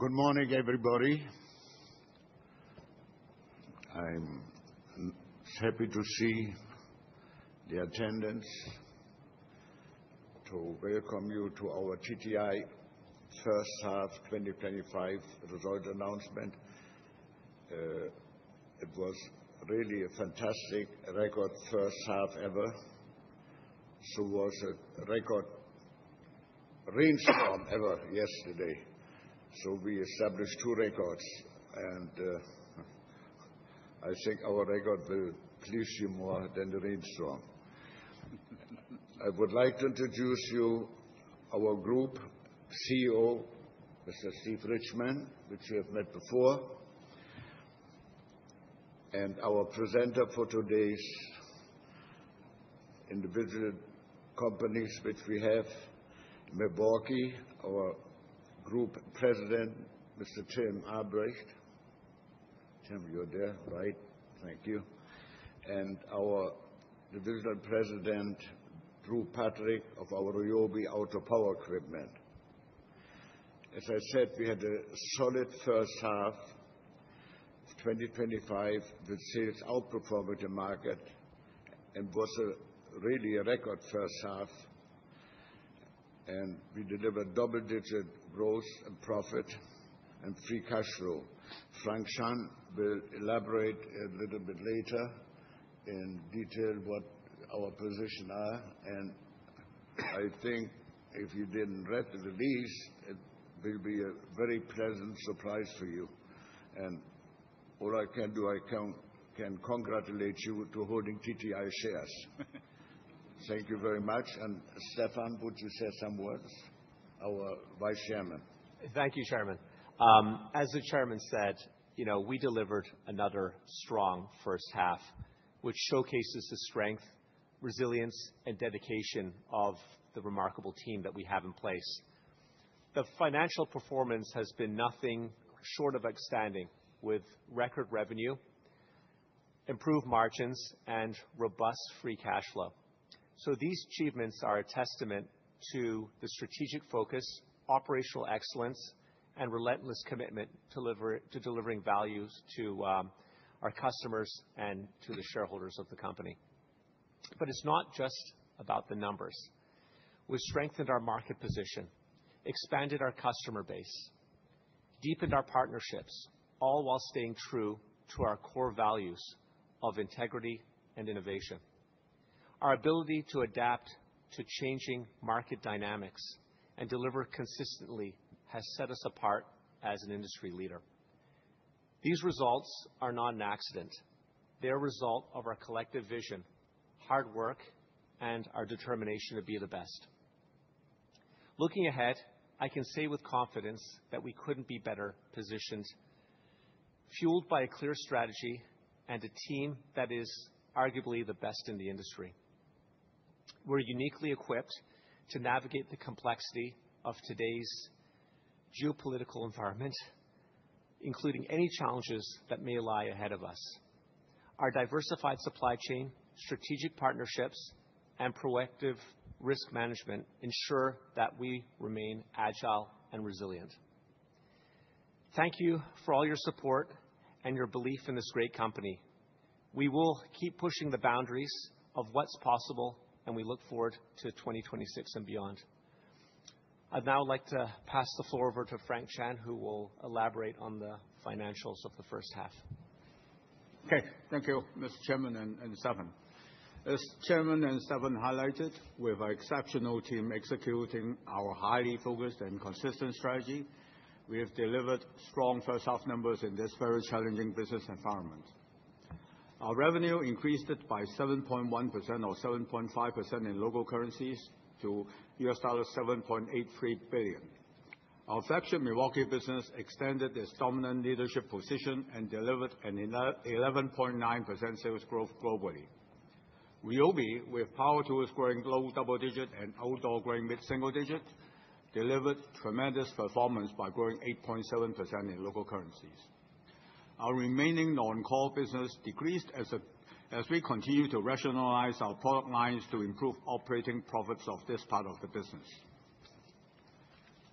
Good morning, everybody. I'm happy to see the attendance to welcome you to our TTI first half 2025 result announcement. It was really a fantastic record first half ever. It was a record ever yesterday. We established two records and I think our record will please you more than the rainstorm. I would like to introduce you to our Group CEO, Mr. Steven Richman, which you have met before, and our presenter for today's individual companies, which we have, MILWAUKEE, our Group President. Mr. Tim Albrecht, you're there. Right, thank you. And our Divisional President, Drew Patrick of our RYOBI Auto Power Equipment. As I said, we had a solid first half 2025 with sales outperforming the market and it was a really record first half and we delivered double digit growth in profit and free cash flow. Frank Chan will elaborate a little bit later in detail what our positions are and I think if you didn't read the release, it will be a very pleasant surprise for you. All I can do, I can congratulate you for holding TTI shares. Thank you very much. And Stephan, would you say some words? Our Vice Chairman. Thank you, Chairman. As the Chairman said, you know, we delivered another strong first half which showcases the strength, resilience, and dedication of the remarkable team that we have in place. The financial performance has been nothing short of outstanding, with record revenue, improved margins, and robust free cash flow. These achievements are a testament to the strategic focus, operational excellence, and relentless commitment to delivering value to our customers and to the shareholders of the company. It is not just about the numbers. We strengthened our market position, expanded our customer base, and deepened our partnerships, all while staying true to our core values of integrity and innovation. Our ability to adapt to changing market dynamics and deliver consistently has set us apart as an industry leader. These results are not an accident. They are a result of our collective vision, hard work, and our determination to be the best. Looking ahead, I can say with confidence that we could not be better positioned. Fueled by a clear strategy and a team that is arguably the best in the industry, we are uniquely equipped to navigate the complexity of today's geopolitical environments, including any challenges that may lie ahead of us. Our diversified supply chain, strategic partnerships, and proactive risk management ensure that we remain agile and resilient. Thank you for all your support and your belief in this great company. We will keep pushing the boundaries of what is possible and we look forward to 2026 and beyond. I would now like to pass the floor over to Frank Chan who will elaborate on the financials of the first half. Thank you, Mr. Chairman and Stephan. As Chairman and Stephan highlighted, with our exceptional team executing our highly focused and consistent strategy, we have delivered strong first half numbers in this very challenging business environment. Our revenue increased by 7.1%, or 7.5% in local currencies, to $7.83 billion. Our flagship MILWAUKEE business extended its dominant leadership position and delivered an 11.9% sales growth globally. RYOBI, with power tools growing low double digit and outdoor growing mid single digit, delivered tremendous performance by growing 8.7% in local currencies. Our remaining non-core business decreased as we continue to rationalize our product lines to improve operating profits of this part of the business.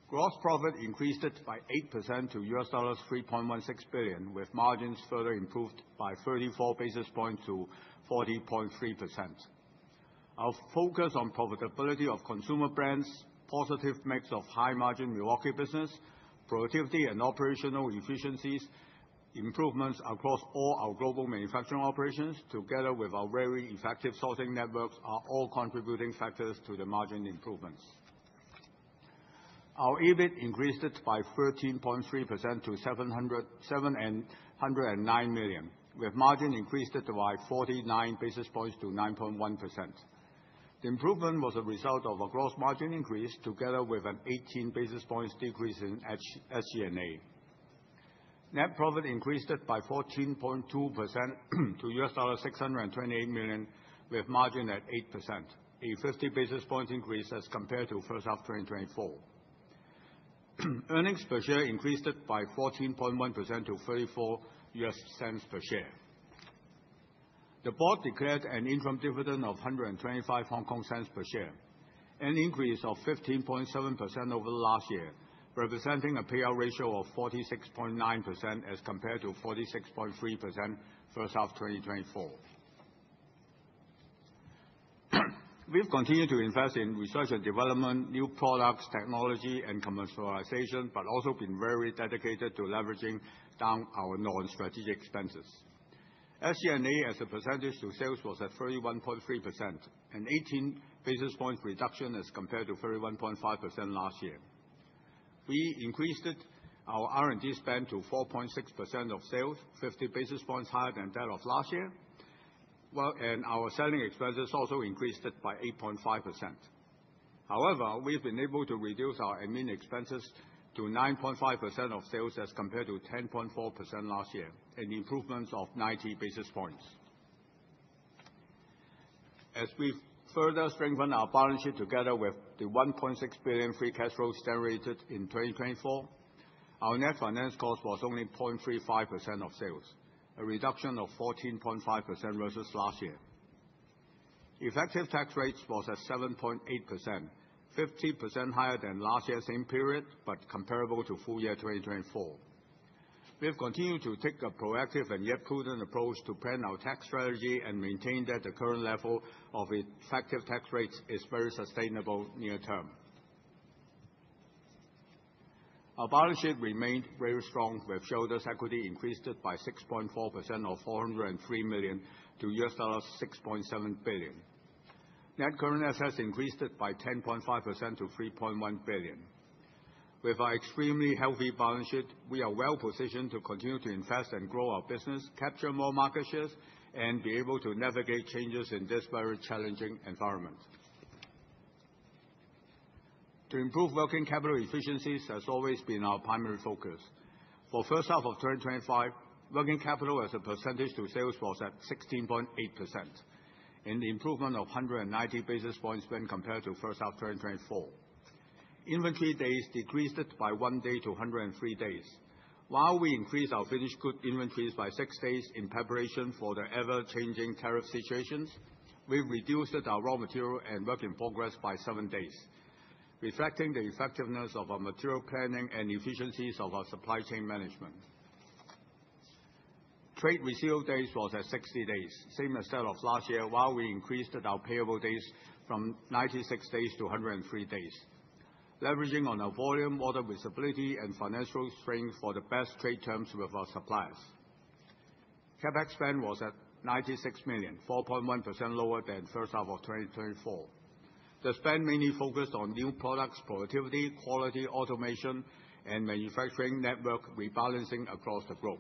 Gross profit increased by 8% to $3.16 billion, with margins further improved by 34 basis points to 40.3%. Our focus on profitability of consumer brands, positive mix of high margin MILWAUKEE business, productivity and operational efficiencies, improvements across all our global manufacturing operations, together with our very effective sourcing networks, are all contributing factors to the margin improvements. Our EBIT increased by 13.3% to $709 million, with margin increased by 49 basis points to 9.1%. The improvement was a result of a gross margin increase together with an 18 basis points decrease in SG&A. Net profit increased by 14.2% to $628 million, with margin at 8%, a 50 basis point increase as compared to first half 2024. Earnings per share increased by 14.1% to $0.34 per share. The board declared an interim dividend of 1.25 per share, an increase of 15.7% over last year, representing a payout ratio of 46.9% as compared to 46.3% first half 2024. We've continued to invest in Research & Development, new products, technology and commercialization, but also been very dedicated to leveraging down our non-strategic expenses. SG&A as a percentage to sales was at 31.3%, an 18 basis point reduction as compared to 31.5% last year. We increased our R&D spend to 4.6% of sales, 50 basis points higher than that of last year. Our selling expenses also increased by 8.5%. However, we've been able to reduce our admin expenses to 9.5% of sales as compared to 10.4% last year, an improvement of 90 basis points. As we further strengthened our balance sheet, together with the $1.6 billion free cash flows generated in 2024, our net finance cost was only 0.35% of sales, a reduction of 14.5% versus last year. Effective tax rate was at 7.8%, 50% higher than last year's same period but comparable to full year 2024. We have continued to take a proactive and yet prudent approach to plan our tax strategy and maintain that the current level of effective tax rates is very sustainable near term. Our balance sheet remained very strong with shareholders' equity increased by 6.4% or $403 million to $6.7 billion. Net current assets increased by 10.5% to $3.1 billion. With our extremely healthy balance sheet, we are well positioned to continue to invest and grow our business, capture more market shares, and be able to navigate changes in this very challenging environment. To improve working capital efficiencies has always been our primary focus. For first half of 2025, working capital as a percentage to sales was at 16.8%, an improvement of 190 basis points when compared to first half 2024. Inventory days decreased by one day to 103 days while we increased our finished goods inventories by six days. In preparation for the ever-changing tariff situations, we reduced our raw material and work in progress by seven days, reflecting the effectiveness of our material planning and efficiencies of our supply chain management. Freight reseal days was at 60 days, same as that of last year, while we increased our payable days from 96 days to 103 days, leveraging on our volume order, visibility, and financial strength for the best trade terms with our suppliers. CapEx spend was at $96 million, 4.1% lower than first half of 2024. The spend mainly focused on new products, productivity, quality, automation, and manufacturing network rebalancing across the globe.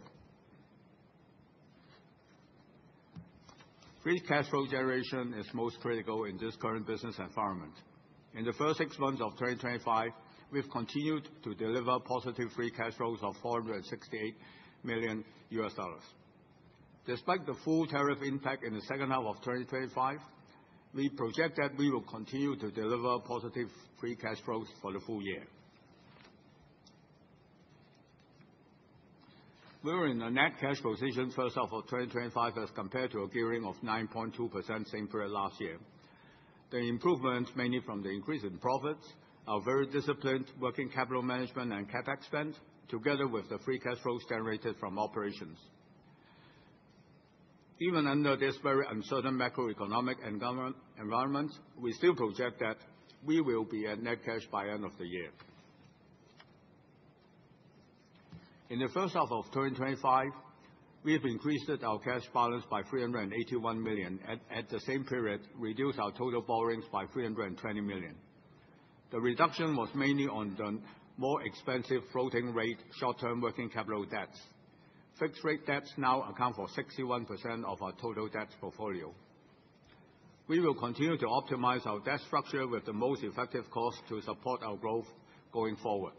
Free cash flow generation is most critical in this current business environment. In the first six months of 2025 we've continued to deliver positive free cash flows of $468 million. Despite the full tariff impact in the second half of 2025, we project that we will continue to deliver positive free cash flows for the full year. We were in the net cash position first half of 2025 as compared to a gearing of 9.2% same period last year. The improvement mainly from the increase in profits, our very disciplined working capital management and CapEx spend together with the free cash flows generated from operations. Even under this very uncertain macroeconomic and government environment, we still project that we will be at net cash by end of the year. In the first half of 2025, we have increased our cash balance by $381 million and at the same period reduced our total borrowings by $320 million. The reduction was mainly on the more expensive floating rate short term working capital debts. Fixed rate debts now account for 61% of our total debt portfolio. We will continue to optimize our debt structure with the most effective cost to support our growth going forward.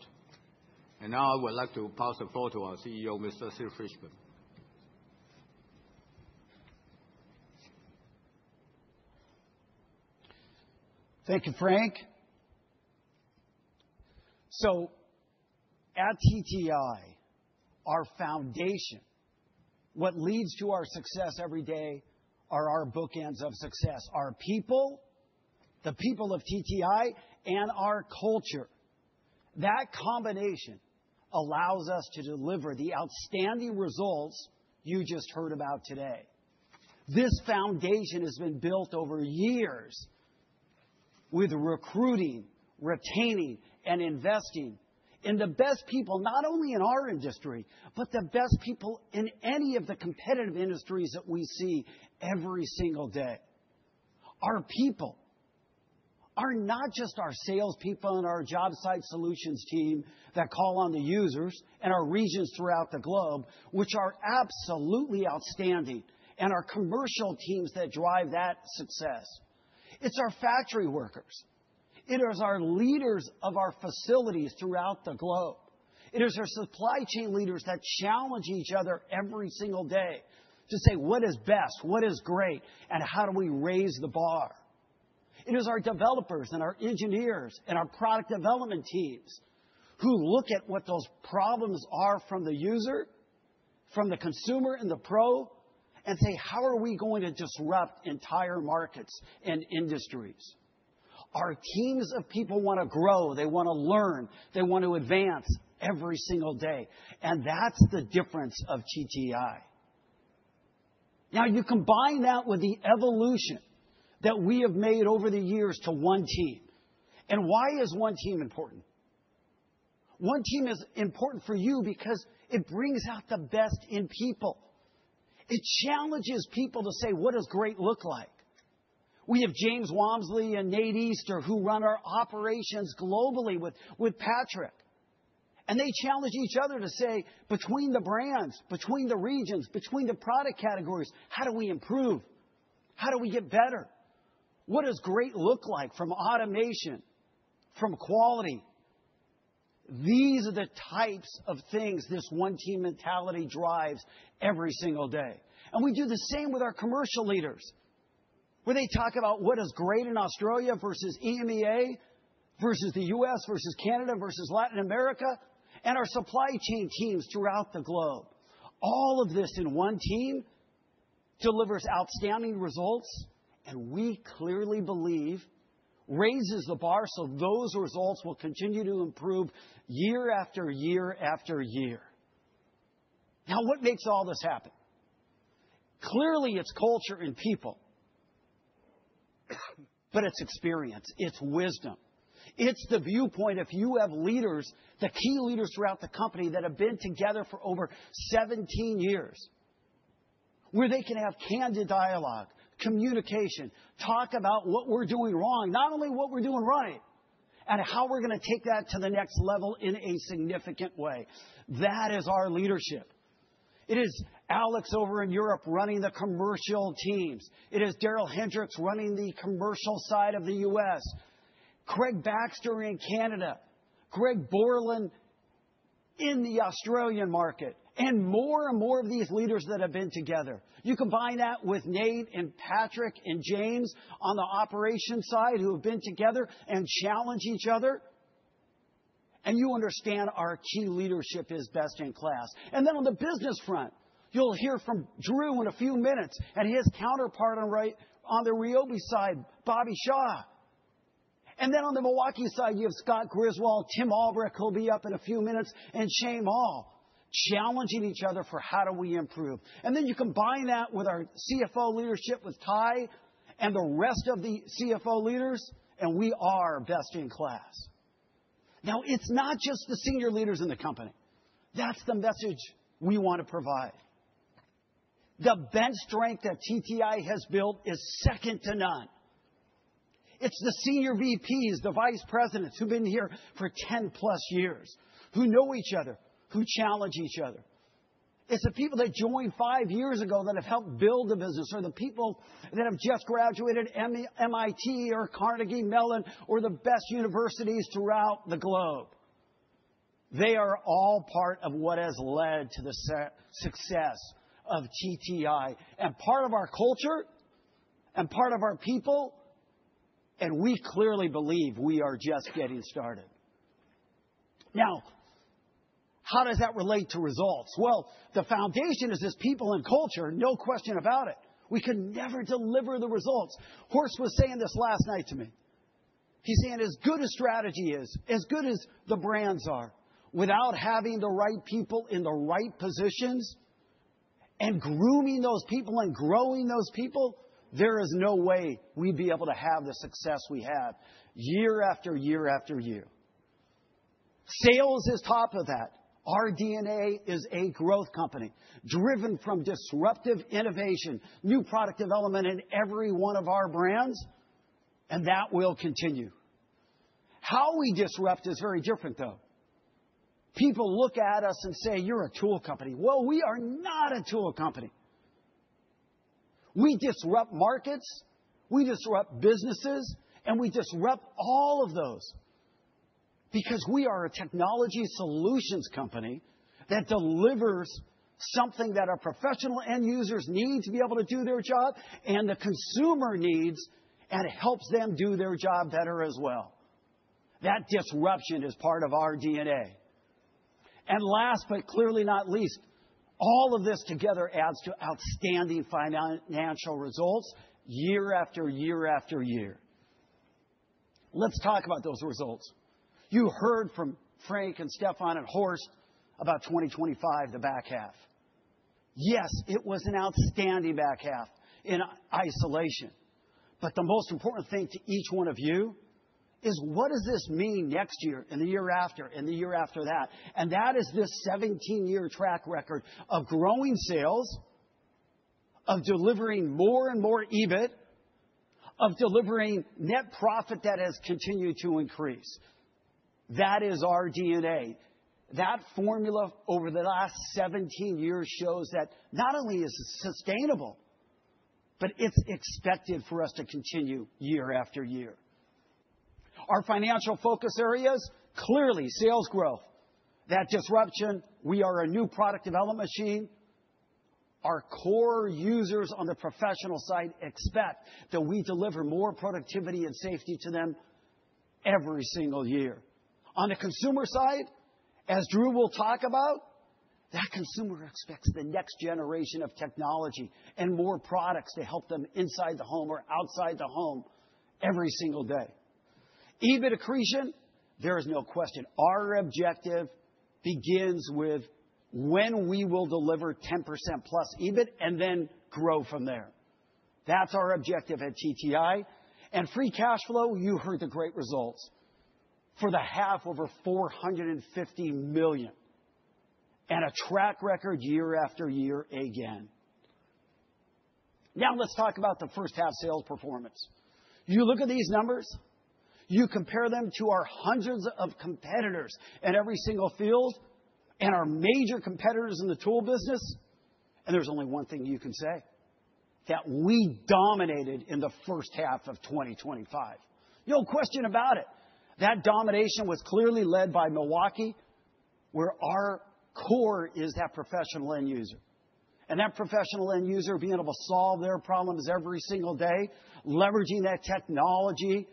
I would like to pass the floor to our CEO, Mr. Steven Richman. Thank you, Frank. At TTI, our foundation, what leads to our success every day are our bookends of success: our people, the people of TTI, and our culture. That combination allows us to deliver the outstanding results you just heard about today. This foundation has been built over years with recruiting, retaining, and investing in the best people, not only in our industry, but the best people in any of the competitive industries that we see every single day. Our people are not just our salespeople and our job site solutions team that call on the users and our regions throughout the globe, which are absolutely outstanding, and our commercial teams that drive that success. It's our factory workers, it is our leaders of our facilities throughout the globe, it is our supply chain leaders that challenge each other every single day to say what is best, what is great, and how do we raise the bar. It is our developers and our engineers and our product development teams who look at what those problems are from the user, from the consumer and the pro, and say, how are we going to disrupt entire markets and industries? Our teams of people want to grow, they want to learn, they want to advance every single day. That's the difference of TTI. You combine that with the evolution that we have made over the years to one team. Why is one team important? One team is important for you because it brings out the best in people. It challenges people to say, what does great look like? We have James Wamsley and Nate Easter who run our operations globally with Patrick, and they challenge each other to say, between the brands, between the regions, between the product categories, how do we improve? How do we get better? What does great look like from automation, from quality? These are the types of things this one team mentality drives every single day. We do the same with our commercial leaders where they talk about what is great in Australia versus EMEA versus the U.S. versus Canada versus Latin America and our supply chain teams throughout the globe. All of this in one team delivers outstanding results we clearly believe raises the bar. Those results will continue to improve year after year after year. What makes all this happen? Clearly it's culture and people. It's experience, it's wisdom, it's the viewpoint. If you have leaders, the key leaders throughout the company that have been together for over 17 years where they can have candid dialogue, communication, talk about what we're doing wrong, not only what we're doing right and how we're going to take that to the next level in a significant way, that is our leadership. It is Alexandre Duarte over in EMEA running the commercial teams. It is Daryl Hendricks running the commercial side of the U.S., Craig Baxter in Canada, Greg Borland in the Australian market, and more and more of these leaders that have been together. You combine that with Nate and Patrick and James on the operations side who have been together and challenge each other and you understand our key leadership is best in class. On the business front you'll hear from Drew in a few minutes and his counterpart on the RYOBI side, Bobby Shaw. On the MILWAUKEE side you have Scott Griswold, Tim Albrecht, who'll be up in a few minutes, and Shane Moll challenging each other for how do we improve. You combine that with our CFO leadership, with Frank and the rest of the CFO leaders and we are best in class. Now, it's not just the senior leaders in the company. That's the message we want to provide. The best strength that Techtronic Industries has built is second to none. It's the Senior VPs, the Vice Presidents who've been here for 10+ years, who know each other, who challenge each other. It's the people that joined five years ago that have helped build a business or the people that have just graduated MIT or Carnegie Mellon or the best universities throughout the globe. They are all part of what has led to the success of TTI and part of our culture is and part of our people and we clearly believe we are just getting started. Now, how does that relate to results? The foundation is this people and culture. No question about it. We can never deliver the results. Horst was saying this last night to me. He's saying as good as strategy is, as good as the brands are, without having the right people in the right positions and grooming those people and growing those people, there is no way we'd be able to have the success we have year after year after year. Sales is top of that. Our DNA is a growth company driven from disruptive innovation, new product development in every one of our brands and that will continue. How we disrupt is very different though. People look at us and say, you're a tool company. We are not a tool company. We disrupt markets, we disrupt businesses, and we disrupt all of those because we are a technology solutions company that delivers something that our professional end users need to be able to do their job and the consumer needs and helps them do their job better as well. That disruption is part of our DNA. Last, but clearly not least, all of this together adds to outstanding financial results year after year after year. Let's talk about those results. You heard from Frank and Stephan and Horst about 2025, the back half. Yes, it was an outstanding back half in isolation. The most important thing to each one of you is what does this mean next year and the year after and the year after that. That is this 17-year track record of growing sales, of delivering more and more EBIT, of delivering net profit that has continued to increase. That is our DNA. That formula over the last 17 years shows that not only is it sustainable, but it's expected for us to continue year after year. Our financial focus areas are clearly sales growth, that disruption. We are a new product development machine. Our core users on the professional side expect that we deliver more productivity and safety to them every single year. On the consumer side, as Drew will talk about, that consumer expects the next generation of technology and more products to help them inside the home or outside the home every single day. EBIT accretion. There is no question our objective begins with when we will deliver 10%+ EBIT and then grow from there. That's our objective at TTI and free cash flow. You heard the great results for the half. Over $450 million and a track record year after year again. Now let's talk about the first half sales performance. You look at these numbers, you compare them to our hundreds of competitors at every single field and our major competitors in the tool business. There's only one thing you can say, that we dominated in the first half of 2025. No question about it. That domination was clearly led by MILWAUKEE, where our core is that professional end user and that professional end user being able to solve their problems every single day, leveraging that technology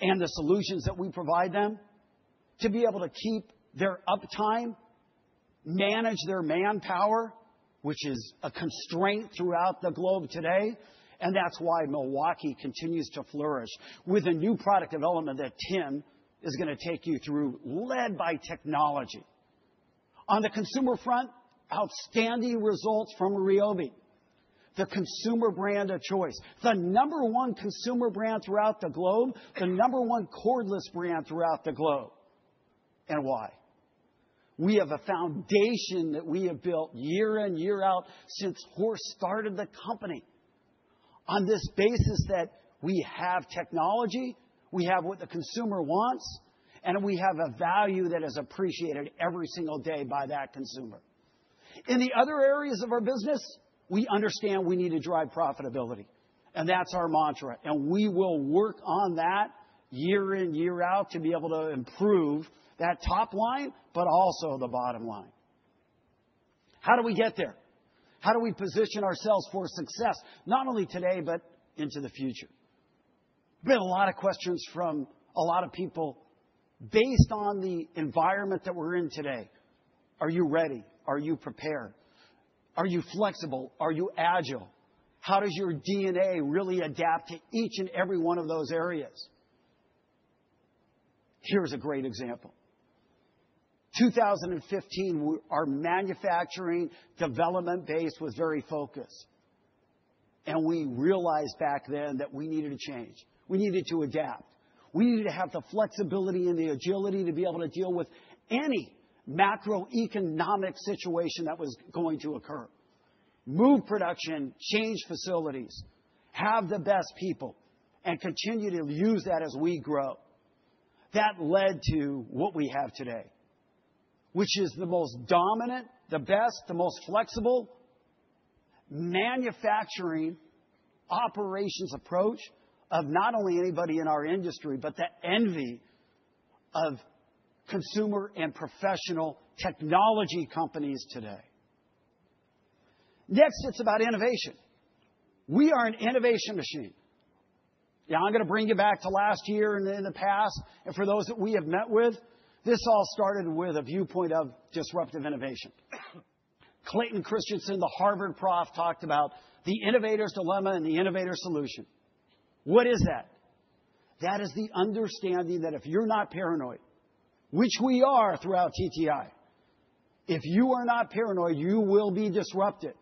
and the solutions that we provide them to be able to keep their uptime, manage their manpower, which is a constraint throughout the globe today. That's why MILWAUKEE continues to flourish with a new product development that Tim is going to take you through, led by technology. On the consumer front, outstanding results from RYOBI, the consumer brand of choice, the number one consumer brand throughout the globe. The number one cordless brand throughout the globe and why we have a foundation that we have built year in, year out since Horst started the company on this basis that we have technology, we have what the consumer wants, and we have a value that is appreciated every single day by that consumer. In the other areas of our business, we understand we need to drive profitability and that's our mantra. We will work on that year in, year out to be able to improve that top line, but also the bottom line. How do we get there? How do we position ourselves for success not only today, but into the future? There have been a lot of questions from a lot of people based on the environment that we're in today. Are you ready? Are you prepared? Are you flexible? Are you agile? How does your DNA really adapt to each and every one of those areas? Here's a great example. In 2015, our manufacturing development base was very focused and we realized back then that we needed to change, we needed to adapt, we needed to have the flexibility and the agility to be able to deal with any macroeconomic situation that was going to occur. Move production, change facilities, have the best people and continue to use that as we grow. That led to what we have today, which is the most dominant, the best, the most flexible manufacturing operations approach of not only anybody in our industry, but the envy of consumer and professional technology companies today. Next, it's about innovation. We are an innovation machine. Now, I'm going to bring you back to last year and in the past and for those that we have met with, this all started with a viewpoint of disruptive innovation. Clayton Christensen, the Harvard Prof., talked about the innovator's dilemma and the innovator solution. What is that? That is the understanding that if you're not paranoid, which we are throughout TTI, if you are not paranoid, you will be disrupted.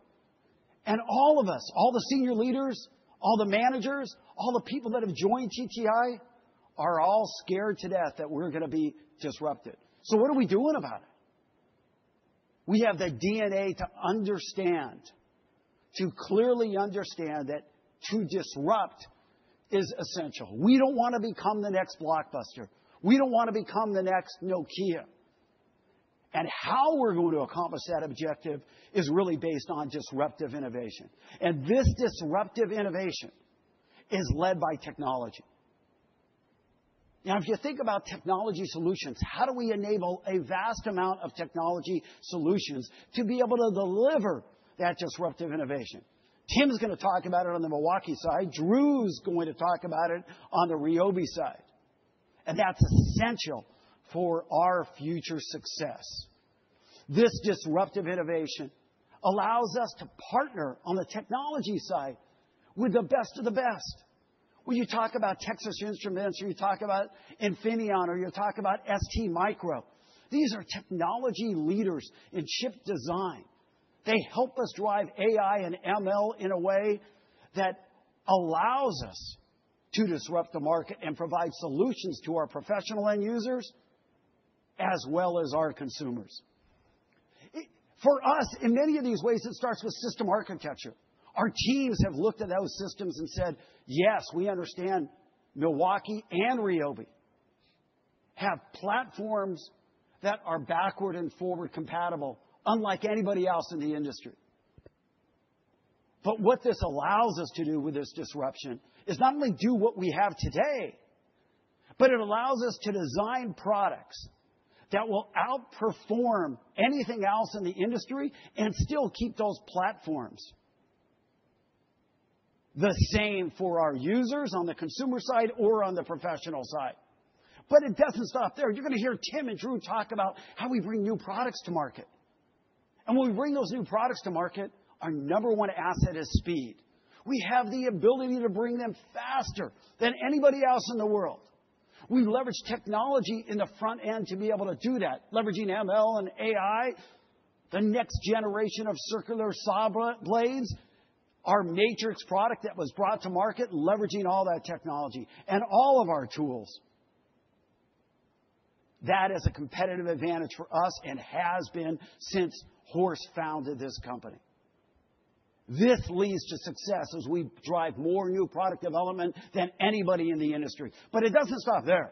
All of us, all the senior leaders, all the managers, all the people that have joined Techtronic Industries are all scared to death that we're going to be disrupted. What are we doing about it? We have the DNA to understand, to clearly understand that to disrupt is essential. We don't want to become the next Blockbuster. We don't want to become the next no here. How we're going to accomplish that objective is really based on disruptive innovation. This disruptive innovation is led by technology. Now, if you think about technology solutions, how do we enable a vast amount of technology solutions to be able to deliver that disruptive innovation? Tim is going to talk about it on the MILWAUKEE side. Drew is going to talk about it on the RYOBI side. That is essential for our future success. This disruptive innovation allows us to partner on a technology side with the best of the best. When you talk about Texas Instruments, or you talk about Infineon, or you talk about STMicro, these are technology leaders in chip design. They help us drive AI and machine learning in a way that allows us to disrupt the market and provide solutions to our professional end users as well as our consumers. For us, in many of these ways, it starts with system architecture. Our teams have looked at those systems and said, yes, we understand MILWAUKEE and RYOBI have platforms that are backward and forward compatible unlike anybody else in the industry. What this allows us to do with this disruption is not only do what we have today, but it allows us to design products that will outperform anything else in the industry and still keep those platforms the same for our users on the consumer side or on the professional side. It does not stop there. You are going to hear Tim and Drew talk about how we bring new products to market. When we bring those new products to market, our number one asset is speed. We have the ability to bring them faster than anybody else in the world. We leverage technology in the front end to be able to do that. Leveraging machine learning and AI, the next generation of circular saw blades, our matrix product that was brought to market, leveraging all that technology and all of our tools, that is a competitive advantage for us and has been since Horst founded this company. This leads to success as we drive more new product development than anybody in the industry. It does not stop there.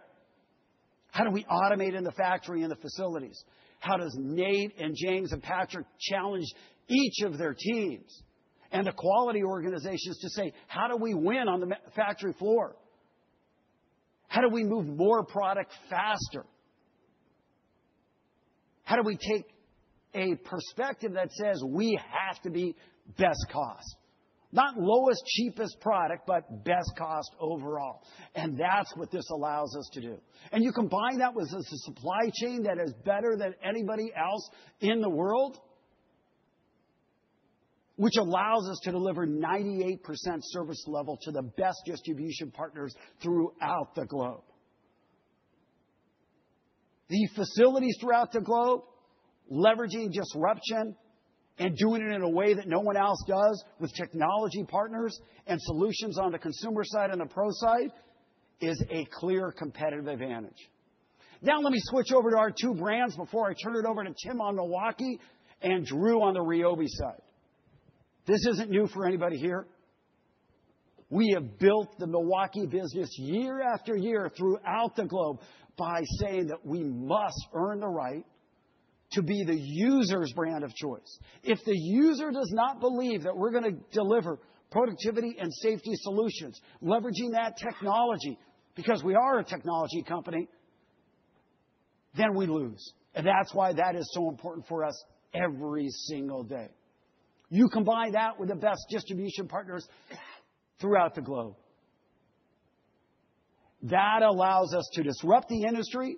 How do we automate in the factory and the facilities? How does Nate and James and Patrick challenge each of their teams and quality organizations to say, how do we win on the factory floor? How do we move more product faster? How do we take a perspective that says we have to be best cost, not lowest, cheapest product, but best cost overall. That is what this allows us to do. You combine that with a supply chain that is better than anybody else in the world, which allows us to deliver 98% service level to the best distribution partners throughout the globe. The facilities throughout the globe, leveraging disruption and doing it in a way that no one else does with technology partners and solutions on the consumer side. The pro side is a clear competitive advantage. Now let me switch over to our two brands before I turn it over to Tim on MILWAUKEE and Drew on the RYOBI side. This isn't new for anybody here. We have built the MILWAUKEE business year after year throughout the globe by saying that we must earn the right to be the user's brand of choice. If the user does not believe that we're going to deliver productivity and safety solutions, leveraging that technology because we are a technology company, then we lose. That's why that is so important for us every single day. You combine that with the best distribution partners throughout the globe. That allows us to disrupt the industry,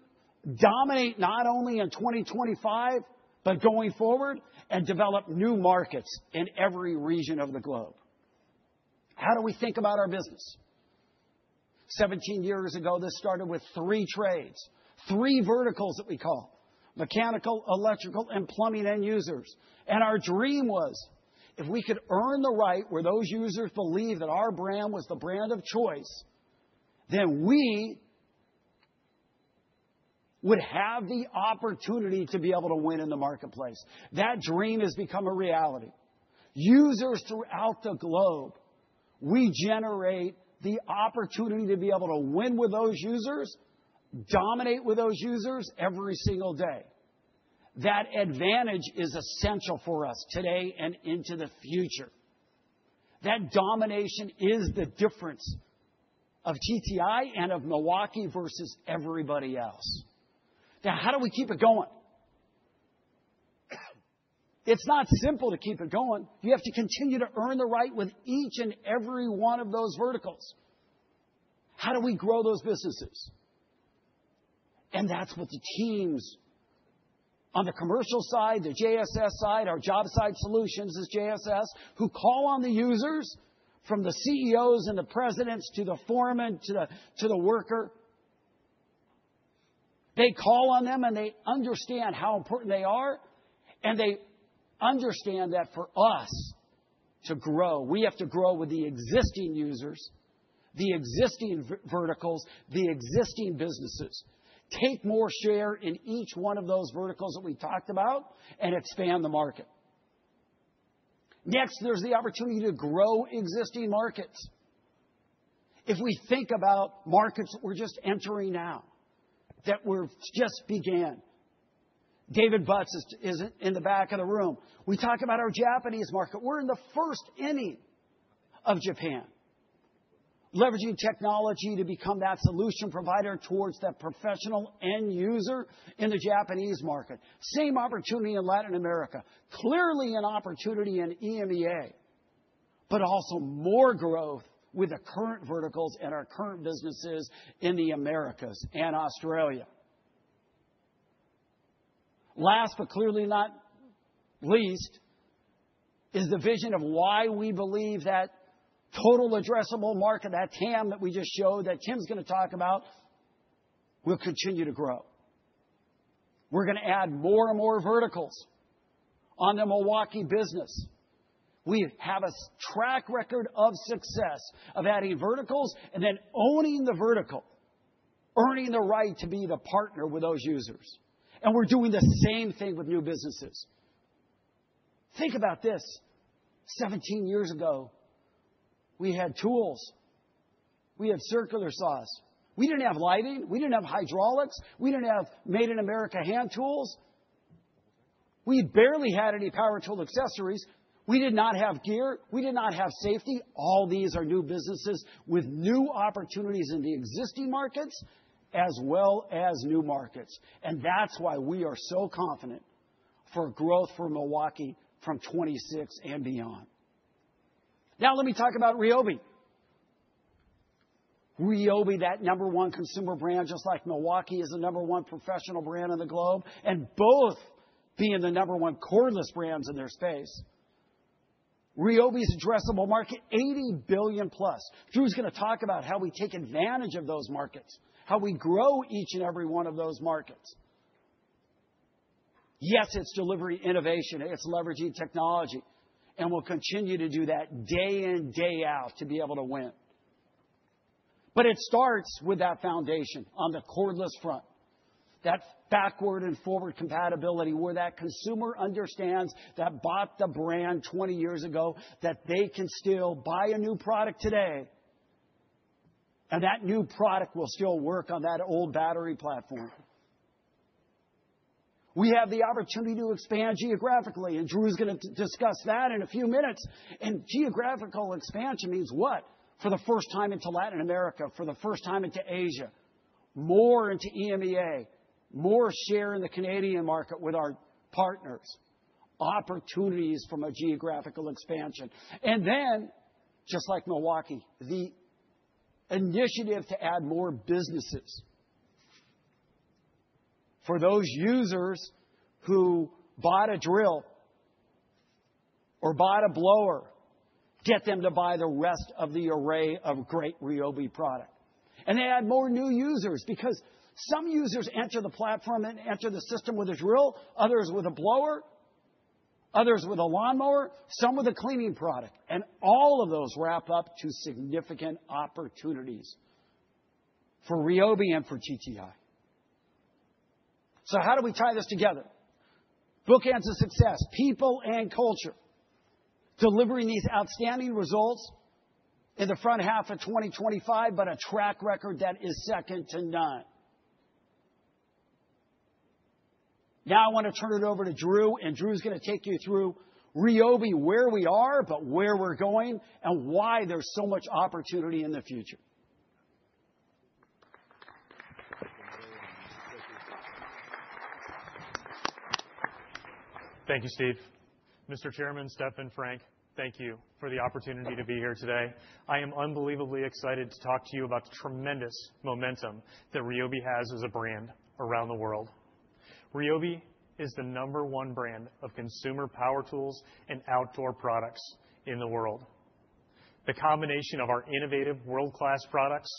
dominate not only in 2025, but going forward and develop new markets in every region of the globe. How do we think about our business? 17 years ago, this started with three trades, three verticals that we call mechanical, electrical, and plumbing end users. Our dream was if we could earn the right where those users believe that our brand was the brand of choice, then we would have the opportunity to be able to win in the marketplace. That dream has become a reality. Users throughout the globe, we generate the opportunity to be able to win with those users, dominate with those users every single day. That advantage is essential for us today and into the future. That domination is the difference of TTI and of MILWAUKEE versus everybody else now. How do we keep it going? It's not simple to keep it going. You have to continue to earn the right with each and every one of those verticals. How do we grow those businesses? That's what the teams on the commercial side, the JSS side, our Job Site Solutions is JSS, who call on the users from the CEOs and the Presidents to the foreman to the worker. They call on them and they understand how important they are and they understand that for us to grow, we have to grow with the existing users, the existing verticals, the existing businesses, take more share in each one of those verticals that we talked about and expand the market. Next, there's the opportunity to grow existing markets. If we think about markets that we're just entering now, that we just began, David Butts is in the back of the room. We talk about our Japanese market. We're in the first inning of Japan, leveraging technology to become that solution provider towards that professional end user in the Japanese market. Same opportunity in Latin America. Clearly an opportunity in EMEA, but also more growth with the current verticals and our current businesses in the Americas and Australia. Last, but clearly not least, is the vision of why we believe that total addressable market, that TAM that we just showed, that Tim's going to talk about, will continue to grow. We're going to add more and more verticals on the MILWAUKEE business. We have a track record of success of adding verticals and then owning the vertical, earning the right to be the partner with those users. We're doing the same thing with new businesses. Think about this. 17 years ago, we had tools, we had circular saws, we didn't have lighting, we didn't have hydraulics, we didn't have made in America hand tools, we barely had any power tool accessories. We did not have gear, we did not have safety. All these are new businesses with new opportunities in the existing markets as well as new markets. That's why we are so confident for growth for MILWAUKEE from 2026 and beyond. Now let me talk about RYOBI. RYOBI, that number one consumer brand, just like MILWAUKEE is the number one professional brand on the globe, and both being the number one cordless brands in their space. RYOBI's addressable market, $80 billion+. Drew's going to talk about how we take advantage of those markets, how we grow each and every one of those markets. Yes, it's delivery, innovation, it's leveraging technology. We'll continue to do that day in, day out to be able to win. It starts with that foundation on the cordless front. That's backward and forward compatibility, where that consumer understands that bought the brand 20 years ago, that they can still buy a new product today and that new product will still work on that old battery platform. We have the opportunity to expand geographically, and Drew's going to discuss that in a few minutes. Geographical expansion means what? For the first time into Latin America, for the first time into Asia, more into EMEA, more share in the Canadian market with our partners. Opportunities from a geographical expansion. Just like MILWAUKEE, the initiative to add more businesses for those users who bought a drill or bought a blower, get them to buy the rest of the array of great RYOBI product, and they add more new users because some users enter the platform and enter the system with a drill, others with a blower, others with a lawnmower, some with a cleaning product. All of those wrap up to significant opportunities for RYOBI and for TTI. How do we tie this together? Bookends a success, people and culture delivering these outstanding results in the front half of 2025, but a track record that is second to none. Now I want to turn it over to Drew, and Drew's going to take you through RYOBI, where we are, but where we're going and why there's so much opportunity in the future. Thank you, Steve. Mr. Chairman, Stephen, Frank, thank you for the opportunity to be here today. I am unbelievably excited to talk to you about the tremendous momentum that RYOBI has as a brand around the world. RYOBI is the number one brand of consumer power tools and outdoor products in the world. The combination of our innovative world-class products,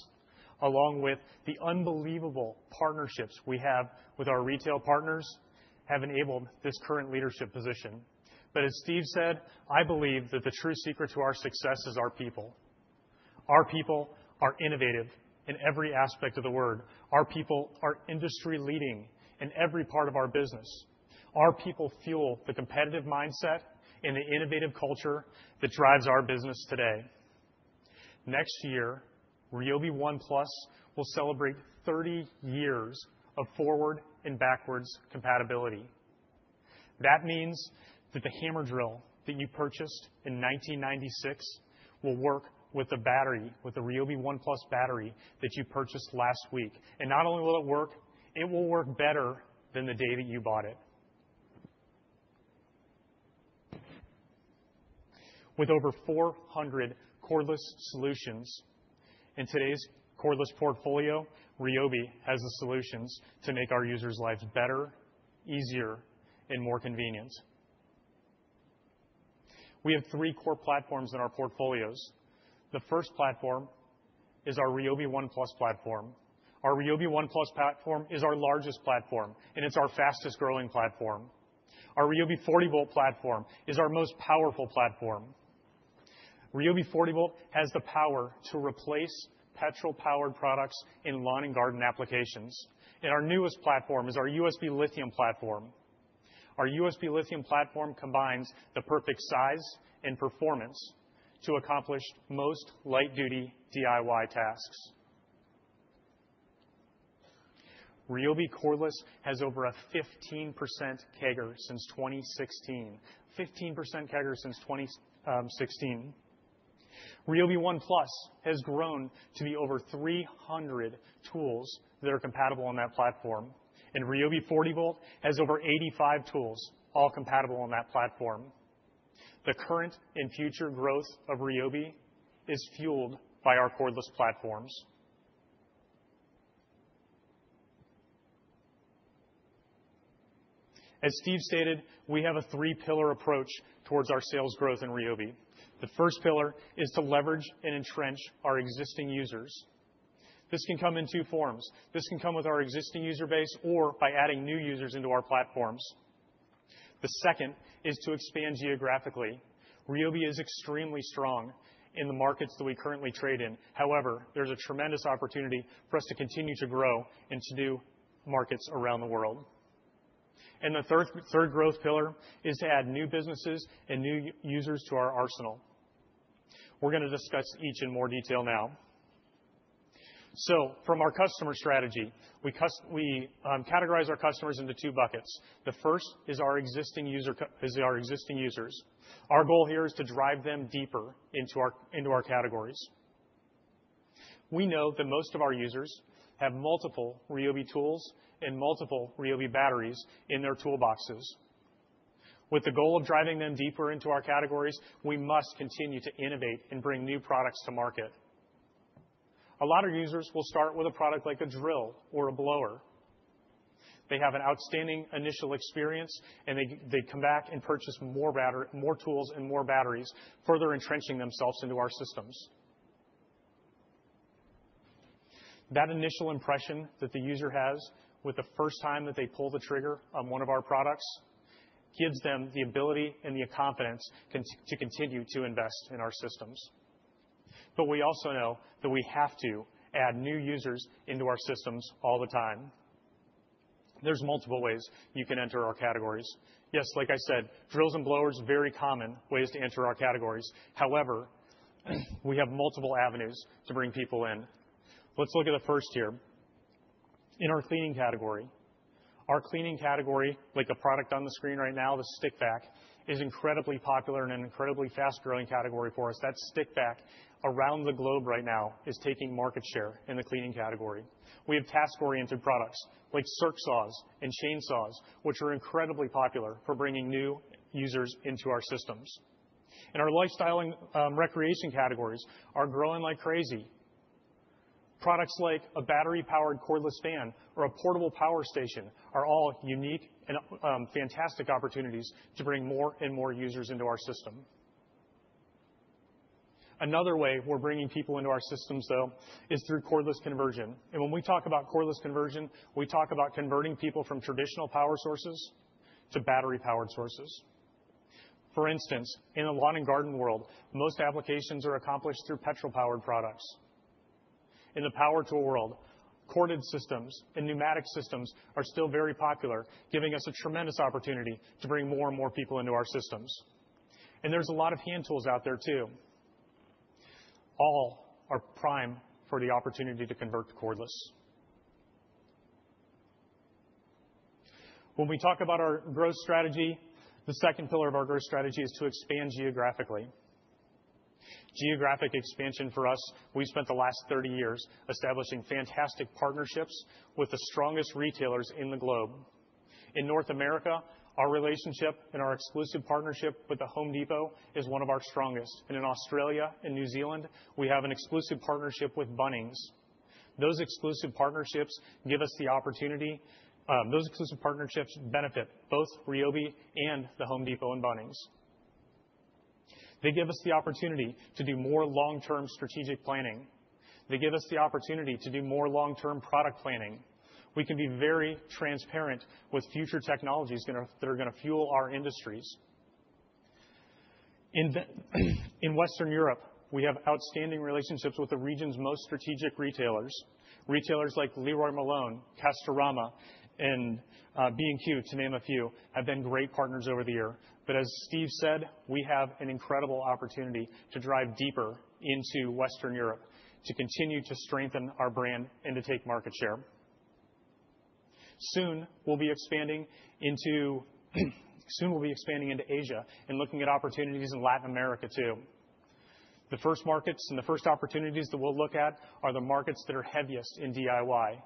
along with the unbelievable partnerships we have with our retail partners, have enabled this current leadership position. As Steve said, I believe that the true secret to our success is our people. Our people are innovative in every aspect of the word. Our people are industry leading in every part of our business. Our people fuel the competitive mindset and the innovative culture that drives our business today. Next year, RYOBI ONE+ will celebrate 30 years of forward and backward compatibility. That means that the hammer drill that you purchased in 1996 will work with the battery, with the RYOBI ONE+ battery that you purchased last week. Not only will it work, it will work better than the day that you bought it. With over 400 cordless solutions in today's cordless portfolio, RYOBI has the solutions to make our users' lives better, easier, and more convenient. We have three core platforms in our portfolios. The first platform is our RYOBI ONE+ platform. Our RYOBI One platform is our largest platform and it's our fastest growing platform. Our RYOBI 40V platform is our most powerful platform. RYOBI 40V has the power to replace petrol-powered products in lawn and garden applications. Our newest platform is our USB Lithium platform. Our USB Lithium platform combines the perfect size and performance to accomplish most light-duty DIY tasks. RYOBI Cordless has over a 15% CAGR since 2016. RYOBI ONE+ has grown to be over 300 tools that are compatible on that platform. RYOBI 40V has over 85 tools, all compatible on that platform. The current and future growth of RYOBI is fueled by our cordless platforms. As Steve stated, we have a three-pillar approach towards our sales growth in RYOBI. The first pillar is to leverage and entrench our existing users. This can come in two forms. This can come with our existing user base or by adding new users into our platforms. The second is to expand geographically. RYOBI is extremely strong in the markets that we currently trade in. However, there's a tremendous opportunity for us to continue to grow into new markets around the world. The third growth pillar is to add new businesses and new users to our arsenal. We're going to discuss each in more detail now. From our customer strategy, we categorize our customers into two buckets. The first is our existing users. Our goal here is to drive them deeper into our categories. We know that most of our users have multiple RYOBI tools and multiple RYOBI batteries in their toolboxes. With the goal of driving them deeper into our categories, we must continue to innovate and bring new products to market. A lot of users will start with a product like a drill or a blower. They have an outstanding initial experience, and they come back and purchase more tools and more batteries, further entrenching themselves into our systems. That initial impression that the user has the first time that they pull the trigger on one of our products gives them the ability and the confidence to continue to invest in our systems. We also know that we have to add new users into our systems all the time. There are multiple ways you can enter our categories. Yes, like I said, drills and blowers are very common ways to enter our categories. However, we have multiple avenues. To bring people in, let's look at the first here in our cleaning category. Our cleaning category, like a product on the screen right now, the stick vac, is incredibly popular and an incredibly fast-growing category for us. That stick vac around the globe right now is taking market share. In the cleaning category, we have task-oriented products like circ saws and chainsaws, which are incredibly popular for bringing new users into our systems. Our lifestyle and recreation categories are growing like crazy. Products like a battery-powered cordless fan or a portable power station are all unique and fantastic opportunities to bring more and more users into our system. Another way we're bringing people into our systems is through cordless conversion. When we talk about cordless conversion, we talk about converting people from traditional power sources to battery-powered sources. For instance, in a lawn and garden world, most applications are accomplished through petrol-powered products. In the power tool world, corded systems and pneumatic systems are still very popular, giving us a tremendous opportunity to bring more and more people into our systems. There's a lot of hand tools out there too. All are prime for the opportunity to convert to cordless. When we talk about our growth strategy, the second pillar of our growth strategy is to expand geographically. Geographic expansion for us has meant we spent the last 30 years establishing fantastic partnerships with the strongest retailers in the globe. In North America, our relationship and our exclusive partnership with The Home Depot is one of our strongest. In Australia and New Zealand, we have an exclusive partnership with Bunnings. Those exclusive partnerships give us the opportunity. Those exclusive partnerships benefit both RYOBI and The Home Depot and Bunnings. They give us the opportunity to do more long-term strategic planning. They give us the opportunity to do more long-term product planning. We can be very transparent with future technologies that are going to fuel our industries. In Western Europe, we have outstanding relationships with the region's most strategic retailers. Retailers like Leroy Merlin, Castorama, and B&Q, to name a few, have been great partners over the years. As Steve said, we have an incredible opportunity to drive deeper into Western Europe, to continue to strengthen our brand and to take market share. Soon we'll be expanding into Asia and looking at opportunities in Latin America too. The first markets and the first opportunities that we'll look at are the markets that are heaviest in DIY.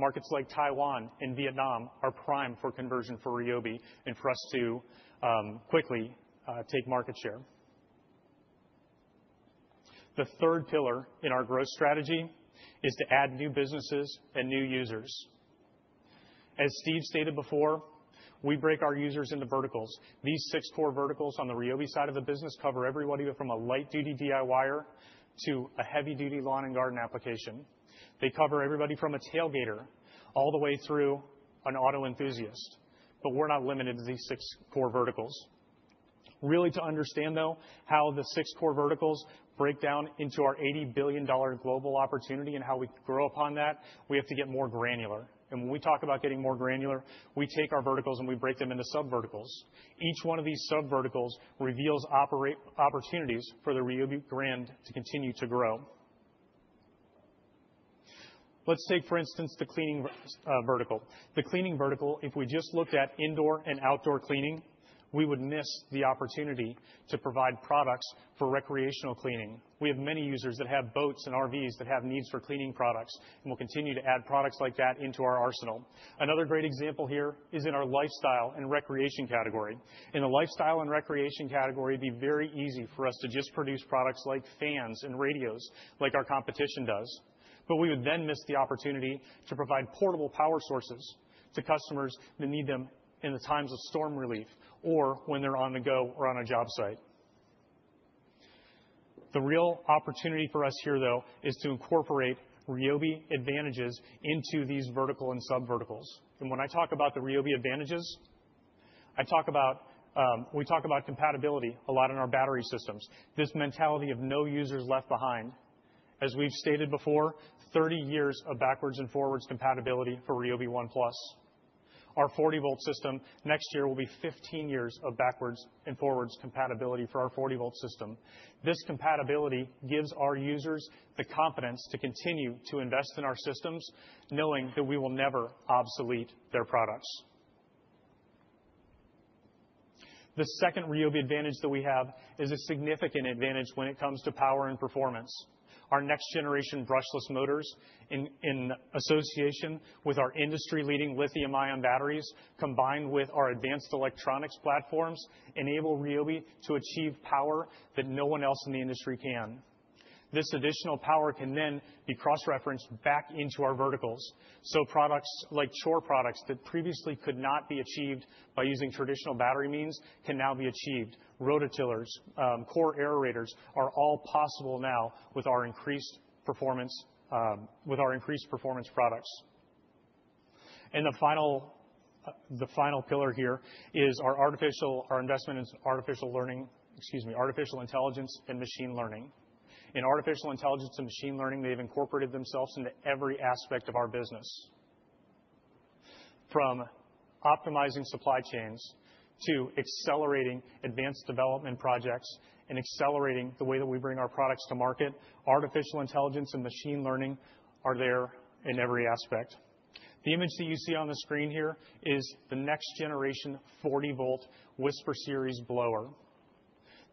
Markets like Taiwan and Vietnam are primed for conversion for RYOBI and for us to quickly take market share. The third pillar in our growth strategy is to add new businesses and new users. As Steve stated before, we break our users into verticals. These six core verticals on the RYOBI side of the business cover everybody from a light-duty DIYer to a heavy-duty lawn and garden application. They cover everybody from a tailgater all the way through an auto enthusiast. We're not limited to these six core verticals. To understand though how the six core verticals break down into our $80 billion global opportunity and how we create growth upon that, we have to get more granular. When we talk about getting more granular, we take our verticals and we break them into sub-verticals. Each one of these sub verticals reveals opportunities for the RYOBI brand to continue to grow. Let's take for instance the cleaning vertical. The cleaning vertical, if we just looked at indoor and outdoor cleaning, we would miss the opportunity to provide products for recreational cleaning. We have many users that have boats and RVs that have needs for cleaning products and we'll continue to add products like that into our arsenal. Another great example here is in our lifestyle and recreation category. In a lifestyle and recreation category, it'd be very easy for us to just produce products like fans and radios like our competition does. We would then miss the opportunity to provide portable power sources to customers that need them in times of storm relief or when they're on the go or on a job site. The real opportunity for us here though is to incorporate RYOBI advantages into these vertical and sub verticals. When I talk about the RYOBI advantages, we talk about compatibility a lot in our battery systems. This mentality of no users left behind. As we've stated before, 30 years of backwards and forwards compatibility for RYOBI ONE+, our 40 V system. Next year will be 15 years of backwards and forwards compatibility for our 40 V system. This compatibility gives our users the confidence to continue to invest in our systems, knowing that we will never obsolete their products. The second RYOBI advantage that we have is a significant advantage when it comes to power and performance. Our next generation brushless motors, in association with our industry leading lithium ion batteries combined with our advanced electronics platforms, enable RYOBI to achieve power that no one else in the industry can. This additional power can then be cross referenced back into our verticals. Products like chore products that previously could not be achieved by using traditional battery means can now be achieved. Rototillers, core aerators are all possible now with our increased performance products. The final pillar here is our artificial, our investment in artificial intelligence and machine learning. In artificial intelligence and machine learning, they've incorporated themselves into every aspect of our business, from optimizing supply chains to accelerating advanced development projects and accelerating the way that we bring our products to market. Artificial intelligence and machine learning are there in every aspect. The image that you see on the screen here is the next generation 40 V Whisper Series blower.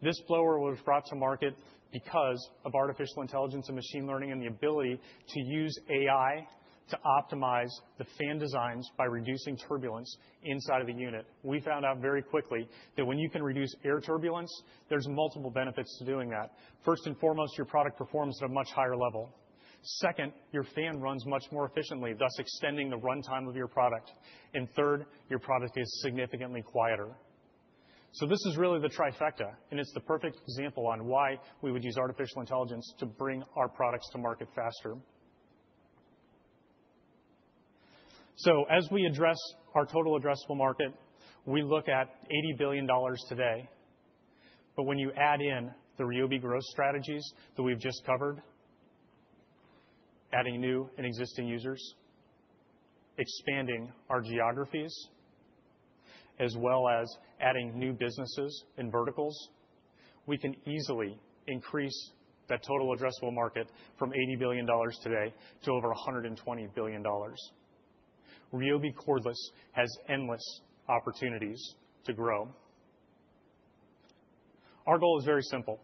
This blower was brought to market because of artificial intelligence and machine learning and the ability to use AI to optimize the fan designs by reducing turbulence inside of the unit. We found out very quickly that when you can reduce air turbulence, there's multiple benefits to doing that. First and foremost, your product performs at a much higher level. Second, your fan runs much more efficiently, thus extending the runtime of your product. Third, your product is significantly quieter. This is really the trifecta, and it's the perfect example on why we would use artificial intelligence to bring our products to market faster. As we address our total addressable market, we look at $80 billion today. When you add in the RYOBI growth strategies that we've just covered, adding new and existing users, expanding our geographies, as well as adding new businesses and verticals, we can easily increase that total addressable market from $80 billion today to over $120 billion. RYOBI Cordless has endless opportunities to grow. Our goal is very simple.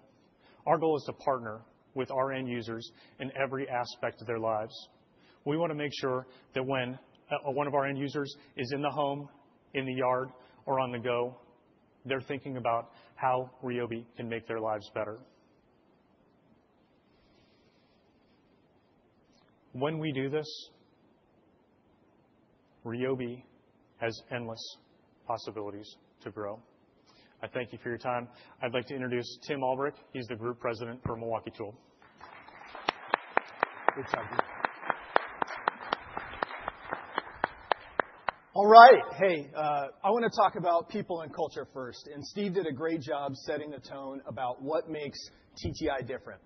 Our goal is to partner with our end users in every aspect of their lives. We want to make sure that when one of our end users is in the home, in the yard, or on the go, they're thinking about how RYOBI can make their lives better. When we do this, RYOBI has endless possibilities to grow. I thank you for your time. I'd like to introduce Tim Albrecht. He's the Group President for MILWAUKEE Tool. All right. Hey, I want to talk about people and culture first. Steve did a great job setting the tone about what makes TTI different.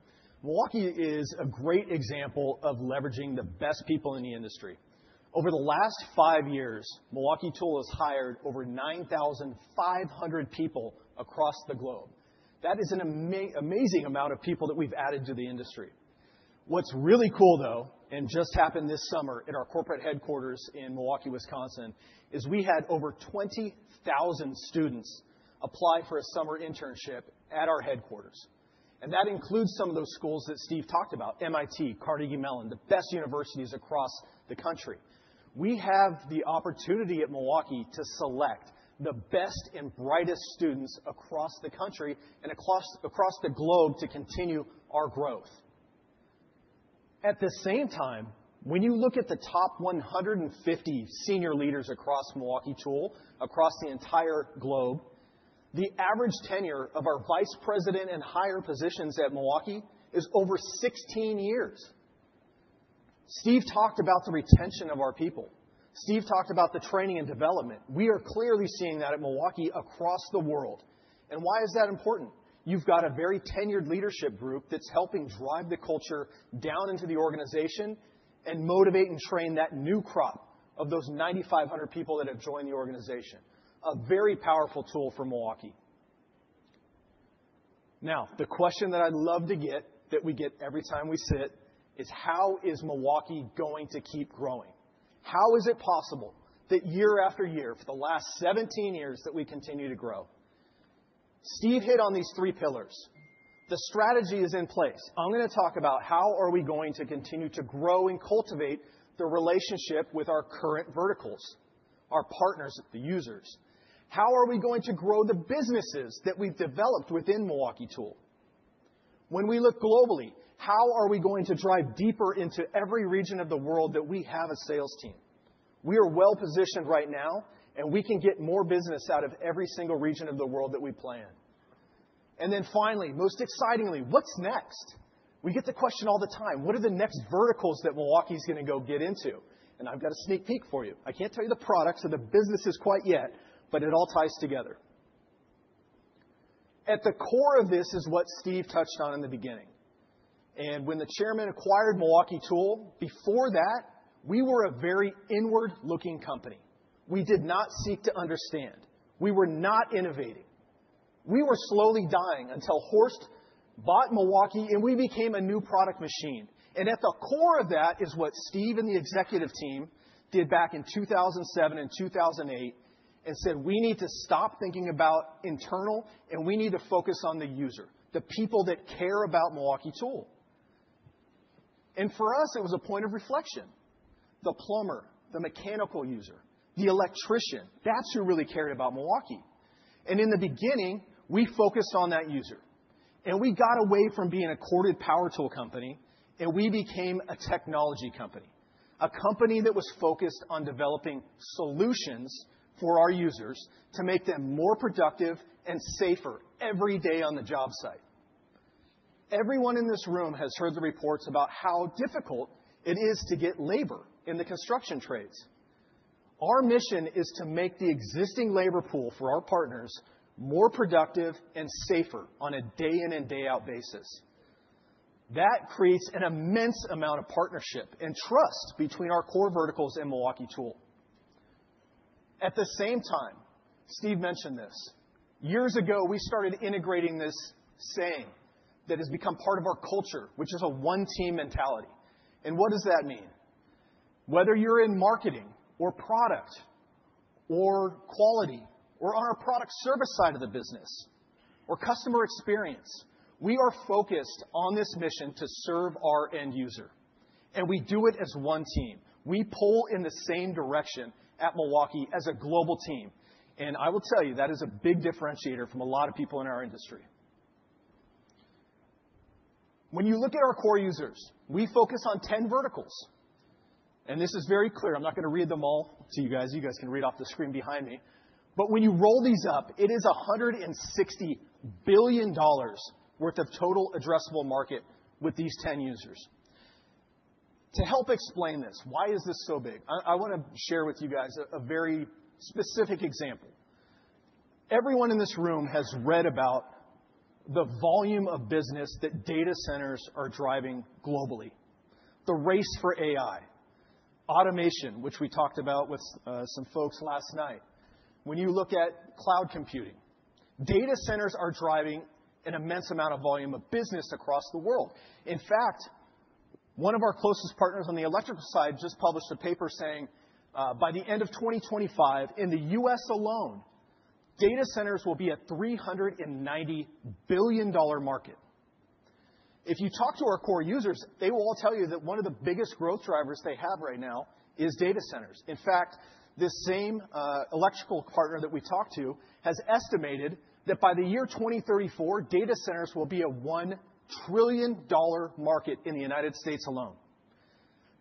MILWAUKEE is a great example of leveraging the best people in the industry. Over the last five years, MILWAUKEE Tool has hired over 9,500 people across the globe. That is an amazing amount of people that we've added to the industry. What's really cool, though, and just happened this summer in our corporate headquarters in Milwaukee, Wisconsin, is we had over 20,000 students apply for a summer internship at our headquarters. That includes some of those schools that Steve talked about: MIT, Carnegie Mellon, the best universities across the country. We have the opportunity at MILWAUKEE to select the best and brightest students across the country and across the globe to continue our growth. At the same time, when you look at the top 150 senior leaders across MILWAUKEE Tool across the entire globe, the average tenure of our Vice President and higher positions at MILWAUKEE is over 16 years. Steve talked about the retention of our people. Steve talked about the training and development. We are clearly seeing that at MILWAUKEE across the world. Why is that important? You've got a very tenured leadership group that's helping drive the culture down into the organization and motivate and train that new crop of those 9,500 people that have joined the organization. A very powerful tool for MILWAUKEE. Now, the question that I love to get, that we get every time we sit, is, how is MILWAUKEE going to keep growing? How is it possible that year after year for the last 17 years that we continue to grow? Steve hit on these three pillars. The strategy is in place. I'm going to talk about how we are going to continue to grow and cultivate the relationship with our current verticals, our partners, the users. How are we going to grow the businesses that we've developed within MILWAUKEE Tool? When we look globally, how are we going to drive deeper into every region of the world that we have a sales team? We are well positioned right now, and we can get more business out of every single region of the world that we plan. Finally, most excitingly, what's next? We get the question all the time, what are the next verticals that MILWAUKEE is going to go get into? I've got a sneak peek for you. I can't tell you the products and the businesses quite yet, but it all ties together. At the core of this is what Steve touched on in the beginning and when the Chairman acquired MILWAUKEE. Before that, we were a very inward-looking company. We did not seek to understand, we were not innovating, we were slowly dying until Horst bought MILWAUKEE and we became a new product machine. At the core of that is what Steve and the executive team did back in 2007 and 2008 and said we need to stop thinking about internal and we need to focus on the user, the people that care about MILWAUKEE Tool. For us it was a point of reflection. The plumber, the mechanical user, the electrician. That's who really cared about MILWAUKEE. In the beginning we focused on that user and we got away from being a corded power tool company and we became a technology company, a company that was focused on developing solutions for our users to make them more productive and safer. Every day on the job site, everyone in this room has heard the reports about how difficult it is to get labor in the construction trades. Our mission is to make the existing labor pool for our partners more productive and safer on a day in and day out basis. That creates an immense amount of partnership and trust between our core verticals and MILWAUKEE Tool. At the same time, Steve mentioned this years ago, we started integrating this saying that has become part of our culture, which is a one team mentality. What does that mean? Whether you're in marketing or product or quality, or on our product, service side of the business or customer experience, we are focused on this mission to serve our end user and we do it as one team. We pull in the same direction at MILWAUKEE as a global team. I will tell you, that is a big differentiator from a lot of people in our industry. When you look at our core users, we focus on 10 verticals. This is very clear, I'm not going to read them all, so you guys can read off the screen behind me. When you roll these up, it is $160 billion worth of total addressable market with these 10 users. To help explain this, why is this so big? I want to share with you guys a very specific example. Everyone in this room has read about the volume of business that data centers are driving globally. The race for AI automation, which we talked about with some folks last night. When you look at cloud computing, data centers are driving an immense amount of volume of business across the world. In fact, one of our closest partners on the electrical side just published a paper saying by the end of 2025 in the U.S. alone, data centers will be a $390 billion market. If you talk to our core users, they will all tell you that one of the biggest growth drivers they have right now is data centers. This same electrical partner that we talked to has estimated that by the year 2034, data centers will be a $1 trillion market in the United States alone.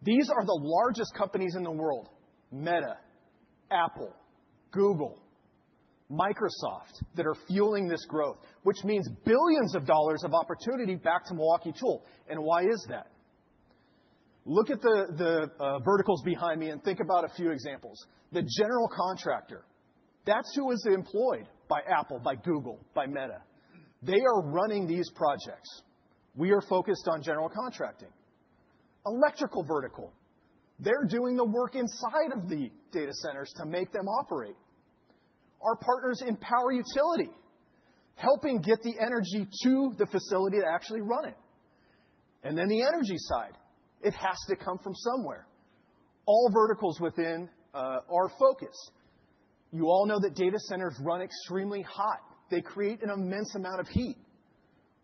These are the largest companies in the world, Meta, Apple, Google, Microsoft, that are fueling this growth, which means billions of dollars of opportunity. Back to MILWAUKEE Tool. Why is that? Look at the verticals behind me and think about a few examples. The general contractor, that's who is employed by Apple, by Google, by Meta, they are running these projects. We are focused on general contracting, electrical vertical. They're doing the work inside of the data centers to make them operate. Our partners in power utility help get the energy to the facility to actually run it. The energy side has to come from somewhere. All verticals within our focus. You all know that data centers run extremely hot. They create an immense amount of heat.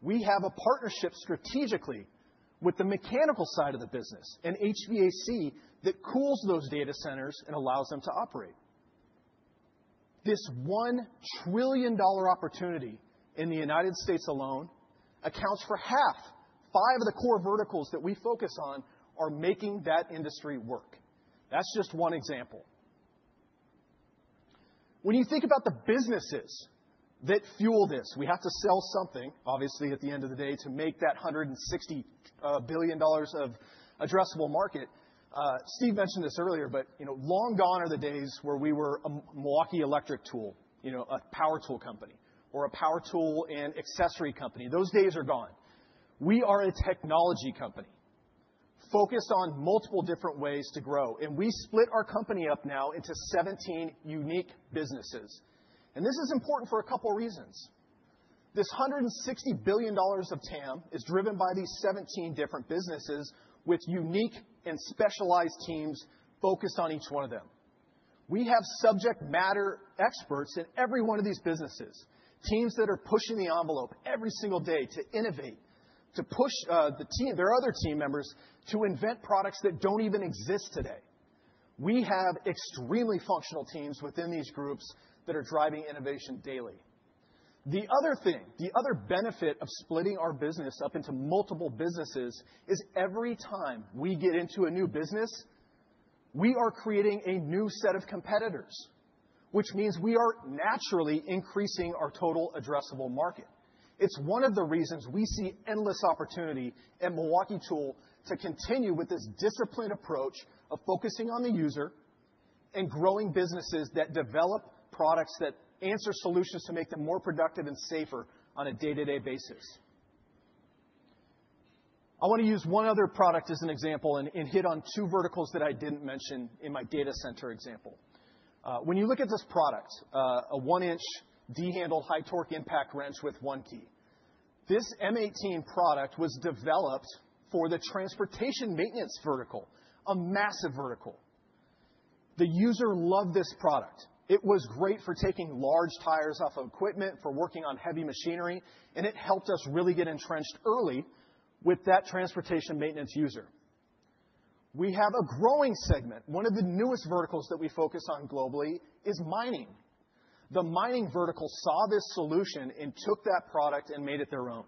We have a partnership strategically with the mechanical side of the business and HVAC that cools those data centers and allows them to operate. This $1 trillion opportunity in the United States alone accounts for five of the core verticals that we focus on are making that industry work. That's just one example. When you think about the businesses that fuel this, we have to sell something obviously at the end of the day to make that $160 billion of addressable market. Steve mentioned this earlier, but long gone are the days where we were a MILWAUKEE electric tool, a power tool company or a power tool and accessory company. Those days are gone. We are a technology company focused on multiple different ways to grow. We split our company up now into 17 unique businesses. This is important for a couple reasons. This $160 billion of TAM is driven by these 17 different businesses with unique and specialized teams focused on each one of them. We have subject matter experts in every one of these businesses, teams that are pushing the envelope every single day to innovate, to push the team, their other team members to invent products that don't even exist today. We have extremely functional teams within these groups that are driving innovation daily. The other thing, the other benefit of splitting our business up into multiple businesses is every time we get into a new business, we are creating a new set of competitors, which means we are naturally increasing our total addressable market. It's one of the reasons we see endless opportunity at MILWAUKEE Tool to continue with this disciplined approach of focusing on the user and growing businesses that develop products that answer solutions to make them more productive and safer on a day-to-day basis. I want to use one other product as an example and get on two verticals that I didn't mention in my data center example. When you look at this product, a 1-in D-Handle High Torque Impact Wrench with 1T. This M18 product was developed for the transportation maintenance vertical, a massive vertical. The user loved this product. It was great for taking large tires off of equipment, for working on heavy machinery. It helped us really get entrenched early with that transportation maintenance user. We have a growing segment. One of the newest verticals that we focus on globally is mining. The mining vertical saw this solution and took that product and made it their own.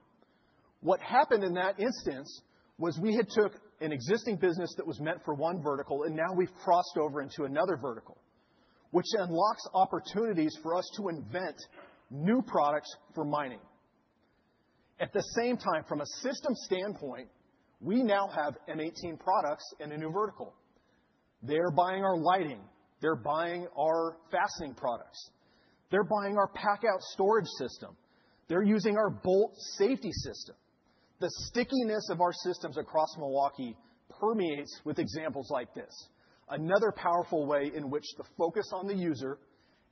What happened in that instance was we took an existing business that was meant for one vertical and now we've crossed over into another vertical, which unlocks opportunities for us to invent new products for mining. At the same time, from a system standpoint, we now have M18 products in a new vertical. They're buying our lighting, they're buying our fastening products, they're buying our PACKOUT storage system, they're using our BOLT safety system. The stickiness of our systems across MILWAUKEE permeates with examples like this. Another powerful way in which the focus on the user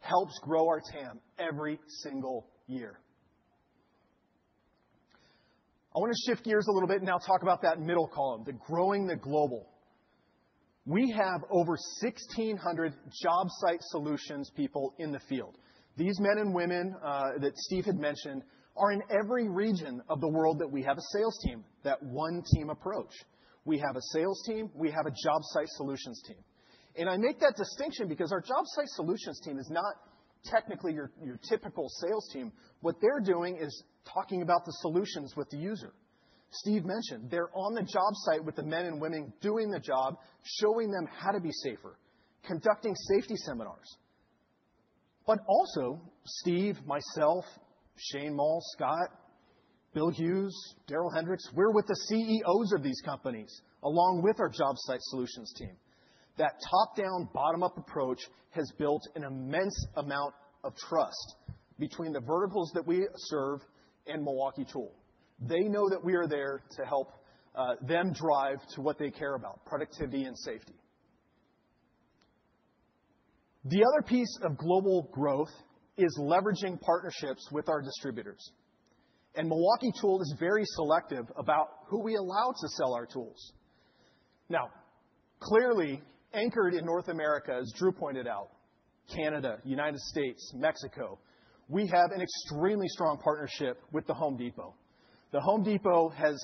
helps grow our TAM every single year. I want to shift gears a little bit and now talk about that middle column, the growing the global. We have over 1,600 job site solutions people in the field. These men and women that Steve had mentioned are in every region of the world that we have a sales team, that one team approach. We have a sales team, we have a job site solutions team. I make that distinction because our job site solutions team is not technically your typical sales team. What they're doing is talking about the solutions with the user Steve mentioned. They're on the job site with the men and women doing the job, showing them how to be safer, conducting safety seminars. Steve, myself, Shane Moll, Scott, Bill Hughes, Darrell Hendrix, we're with the CEOs of these companies along with our job site solutions team. That top down, bottom up approach has built an immense amount of trust between the verticals that we serve in MILWAUKEE Tool. They know that we are there to help them drive to what they care about, productivity and safety. The other piece of global growth is leveraging partnerships with our distributors. MILWAUKEE Tool is very selective about who we allow to sell our tools. Now, clearly anchored in North America, as Drew pointed out, Canada, United States, Mexico. We have an extremely strong partnership with The Home Depot. The Home Depot has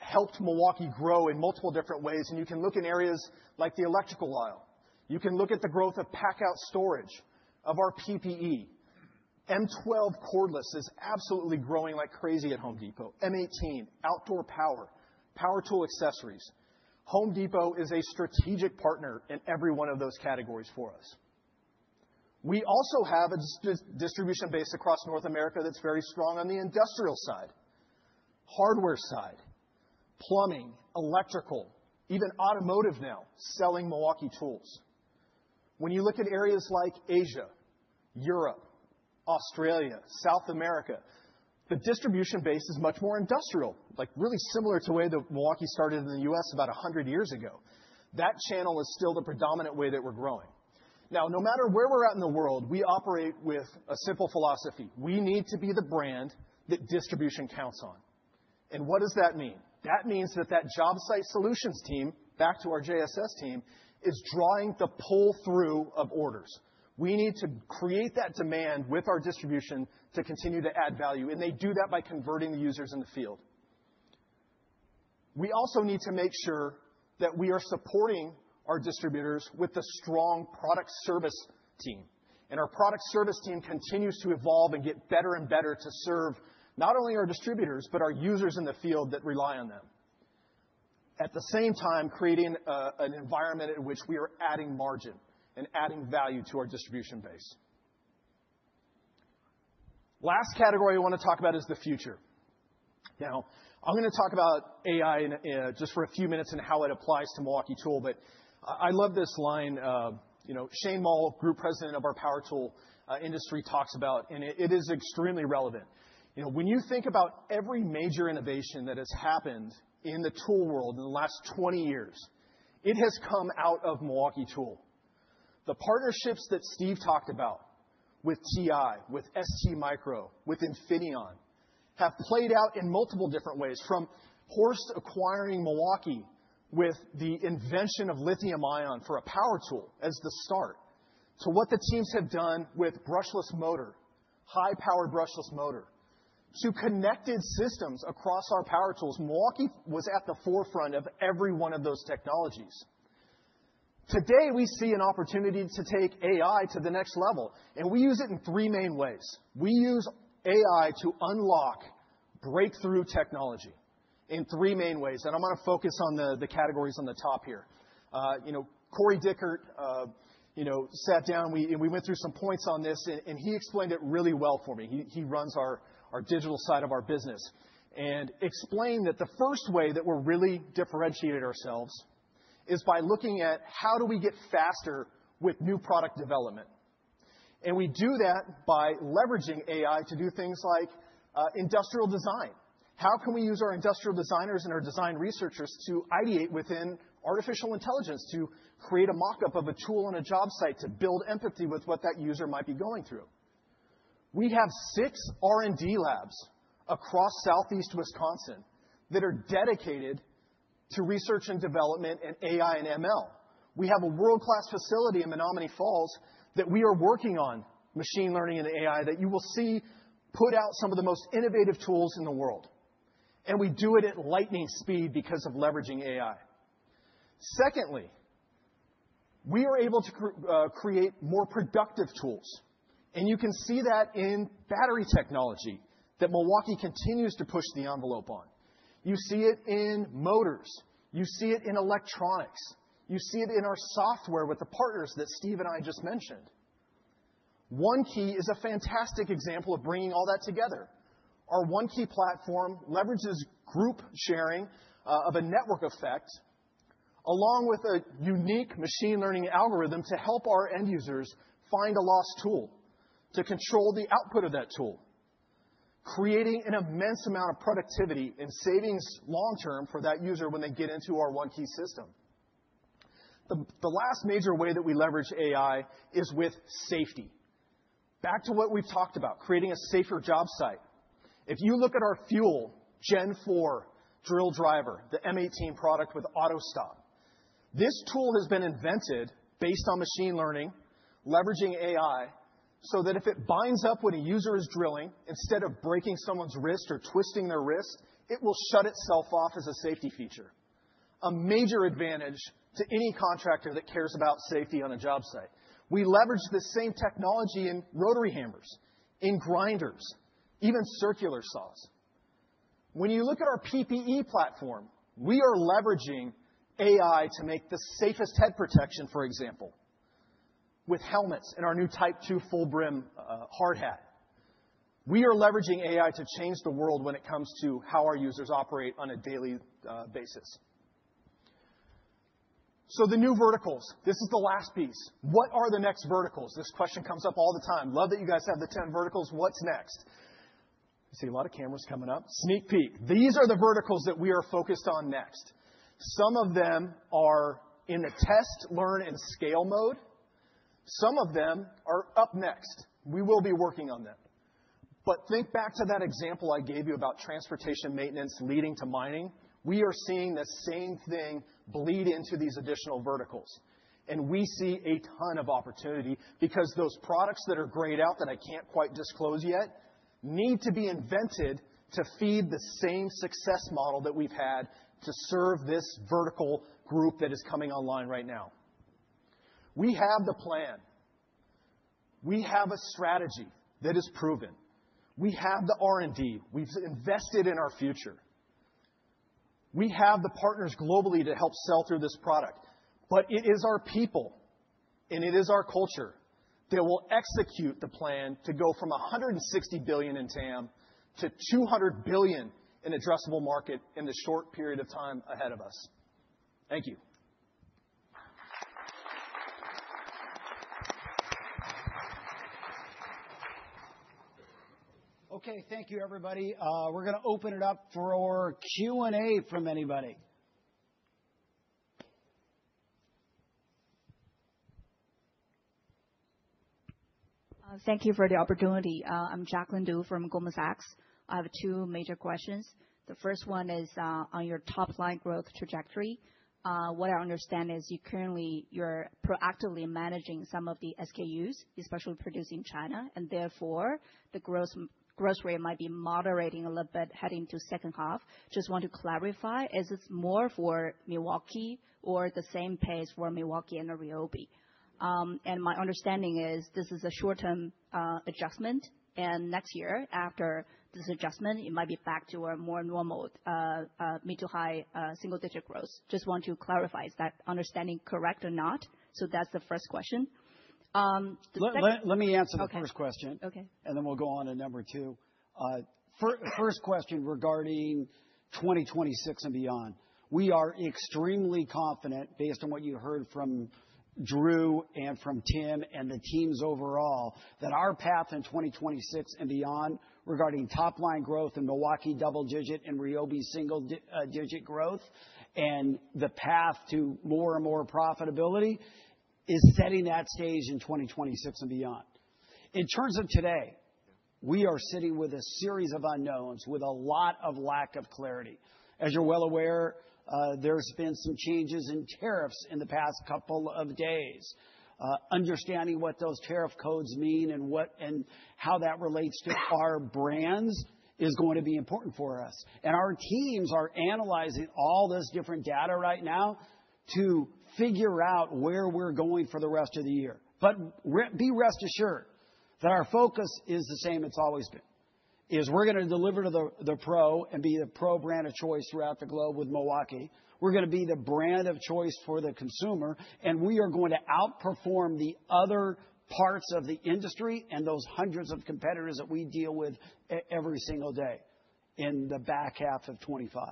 helped MILWAUKEE grow in multiple different ways. You can look in areas like the electrical aisle. You can look at the growth of packout storage, of our PPE. M12 cordless is absolutely growing like crazy at The Home Depot. M18 outdoor power, power tool accessories, The Home Depot is a strategic partner in every one of those categories for us. We also have a distribution base across North America that's very strong on the industrial side, hardware side, plumbing, electrical, even automotive, now selling MILWAUKEE tools. When you look at areas like Asia, Europe, Australia, South America, the distribution base is much more industrial, really similar to the way that MILWAUKEE started in the U.S. about 100 years ago. That channel is still the predominant way that we're growing now. No matter where we're at in the world, we operate with a simple philosophy. We need to be the brand that distribution counts on. What does that mean? That means that the job site solutions team, back to our JSS team, is drawing the pull through of orders. We need to create that demand with our distribution to continue to add value. They do that by converting the users in the field. We also need to make sure that we are supporting our distributors with a strong product service team. Our product service team continues to evolve and get better and better to serve not only our distributors but our users in the field that rely on them, at the same time creating an environment in which we are adding margin and adding value to our distribution base. Last category I want to talk about is the future. Now I'm going to talk about AI just for a few minutes and how it applies to MILWAUKEE Tool. I love this line. You know, Shane Moll, Group President of our power tool industry, talks about, and it is extremely relevant, you know, when you think about every major innovation that has happened in the tool world in the last 20 years, it has come out of MILWAUKEE Tool. The partnerships that Steve talked about with TI, with STMicro, with Infineon have played out in multiple different ways. From Horst acquiring MILWAUKEE with the invention of lithium ion for a power tool as the start to what the teams have done with brushless motor, high powered brushless motor to connected systems across our power tools. MILWAUKEE was at the forefront of every one of those technologies. Today we see an opportunity to take AI to the next level and we use it in three main ways. We use AI to unlock breakthrough technology in three main ways. I'm going to focus on the categories on the top here. Corey Dickert sat down, we went through some points on this, and he explained it really well for me. He runs our digital side of our business and explained that the first way that we've really differentiated ourselves is by looking at how do we get faster with new product development. We do that by leveraging AI to do things like industrial design. How can we use our industrial designers and our design researchers to ideate within artificial intelligence to create a mockup of a tool on a job site to build empathy with what that user might be going through? We have six R&D labs across southeast Wisconsin that are dedicated to research and development and AI and machine learning. We have a world class facility in Menomonee Falls that we are working on machine learning and AI that you will see put out some of the most innovative tools in the world. We do it at lightning speed because of leveraging AI. Secondly, we are able to create more productive tools. You can see that in battery technology that MILWAUKEE continues to push the envelope on. You see it in motors, you see it in electronics, you see it in our software with the partners that Steve and I just mentioned. ONE-KEY is a fantastic example of bringing all that together. Our ONE-KEY platform leverages group sharing of a network effect along with a unique machine learning algorithm to help our end users find a lost tool, to control the output of that tool, creating an immense amount of productivity and savings long term for that user when they get into our ONE-KEY system. The last major way that we leverage AI is with safety. Back to what we've talked about, creating a safer job site. If you look at our FUEL Gen 4 drill driver, the M18 product with AUTOSTOP, this tool has been invented based on machine learning, leveraging AI so that if it binds up when a user is drilling, instead of breaking someone's wrist or twisting their wrist, it will shut itself off as a safety feature. A major advantage to any contractor that cares about safety on a job site. We leverage the same technology in rotary hammers, in grinders, even circular saws. When you look at our PPE platform, we are leveraging AI to make the safest head protection, for example, with helmets and our new Type 2 Full Brim hard hat. We are leveraging AI to change the world when it comes to how our users operate on a daily basis. The new verticals. This is the last piece. What are the next verticals? This question comes up all the time. Love that you guys have the 10 verticals. What's next? You see a lot of cameras coming up, sneak peek. These are the verticals that we are focused on next. Some of them are in the test, learn, and scale mode. Some of them are up next. We will be working on them. Think back to that example I gave you about transportation maintenance leading to mining. We are seeing the same thing bleed into these additional verticals and we see a ton of opportunity because those products that are grayed out that I can't quite disclose yet need to be invented to feed the same success model that we've had to serve this vertical group that is coming online right now. We have the plan, we have a strategy that is proven. We have the R&D, we've invested in our future. We have the partners globally to help sell through this product. It is our people and it is our culture. They will execute the plan to go from $160 billion in TAM to $200 billion in addressable market in the short period of time ahead of us. Thank you. Okay, thank you everybody. We're going to open it up for Q&A from anybody. Thank you for the opportunity. I'm Jacqueline Du from Goldman Sachs. I have two major questions. The first one is on your top line growth trajectory. What I understand is you currently you're proactively managing some of the SKUs, especially produced in China, and therefore the gross rate might be moderating a little bit heading to second half. I just want to clarify, is this more for MILWAUKEE or the same pace for MILWAUKEE and RYOBI? My understanding is this is a short term adjustment and next year after this adjustment it might be back to a more normal mid to high single digit growth. I just want to clarify, is that understanding correct or not? That's the first question. Let me answer the first question and then we'll go on to number two. First question regarding 2026 and beyond, we are extremely confident based on what you heard from Drew and from Tim and the teams overall that our path in 2026 and beyond regarding top line growth in MILWAUKEE double digit and RYOBI single digit growth and the path to more and more profitability is setting that stage in 2026 and beyond. In terms of today, we are sitting with a series of unknowns with a lot of lack of clarity. As you're well aware, there's been some changes in tariffs in the past couple of days. Understanding what those tariff codes mean and what and how that relates to our brands is going to be important for us. Our teams are analyzing all this different data right now to figure out where we're going for the rest of the year. Be rest assured that our focus is the same it's always been, we are going to deliver to the pro and be the pro brand of choice throughout the globe. With MILWAUKEE, we're going to be the brand of choice for the consumer and we are going to outperform the other parts of the industry and those hundreds of competitors that we deal with every single day in the back half of 2025.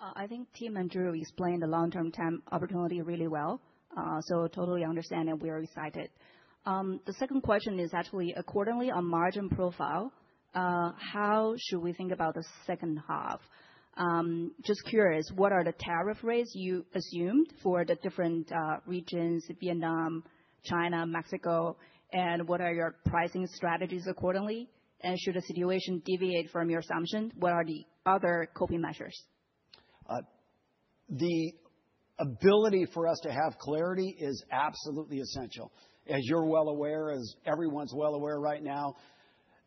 I think Tim and Drew explained the long term TAM opportunity really well, so totally understand and we are excited. The second question is actually accordingly on margin profile, how should we think about the second half? Just curious, what are the tariff rates you assumed for the different regions, Vietnam, China, Mexico, and what are your pricing strategies accordingly, and should a situation deviate from your assumption, what are the other coping measures? The ability for us to have clarity is absolutely essential. As you're well aware, as everyone's well aware right now,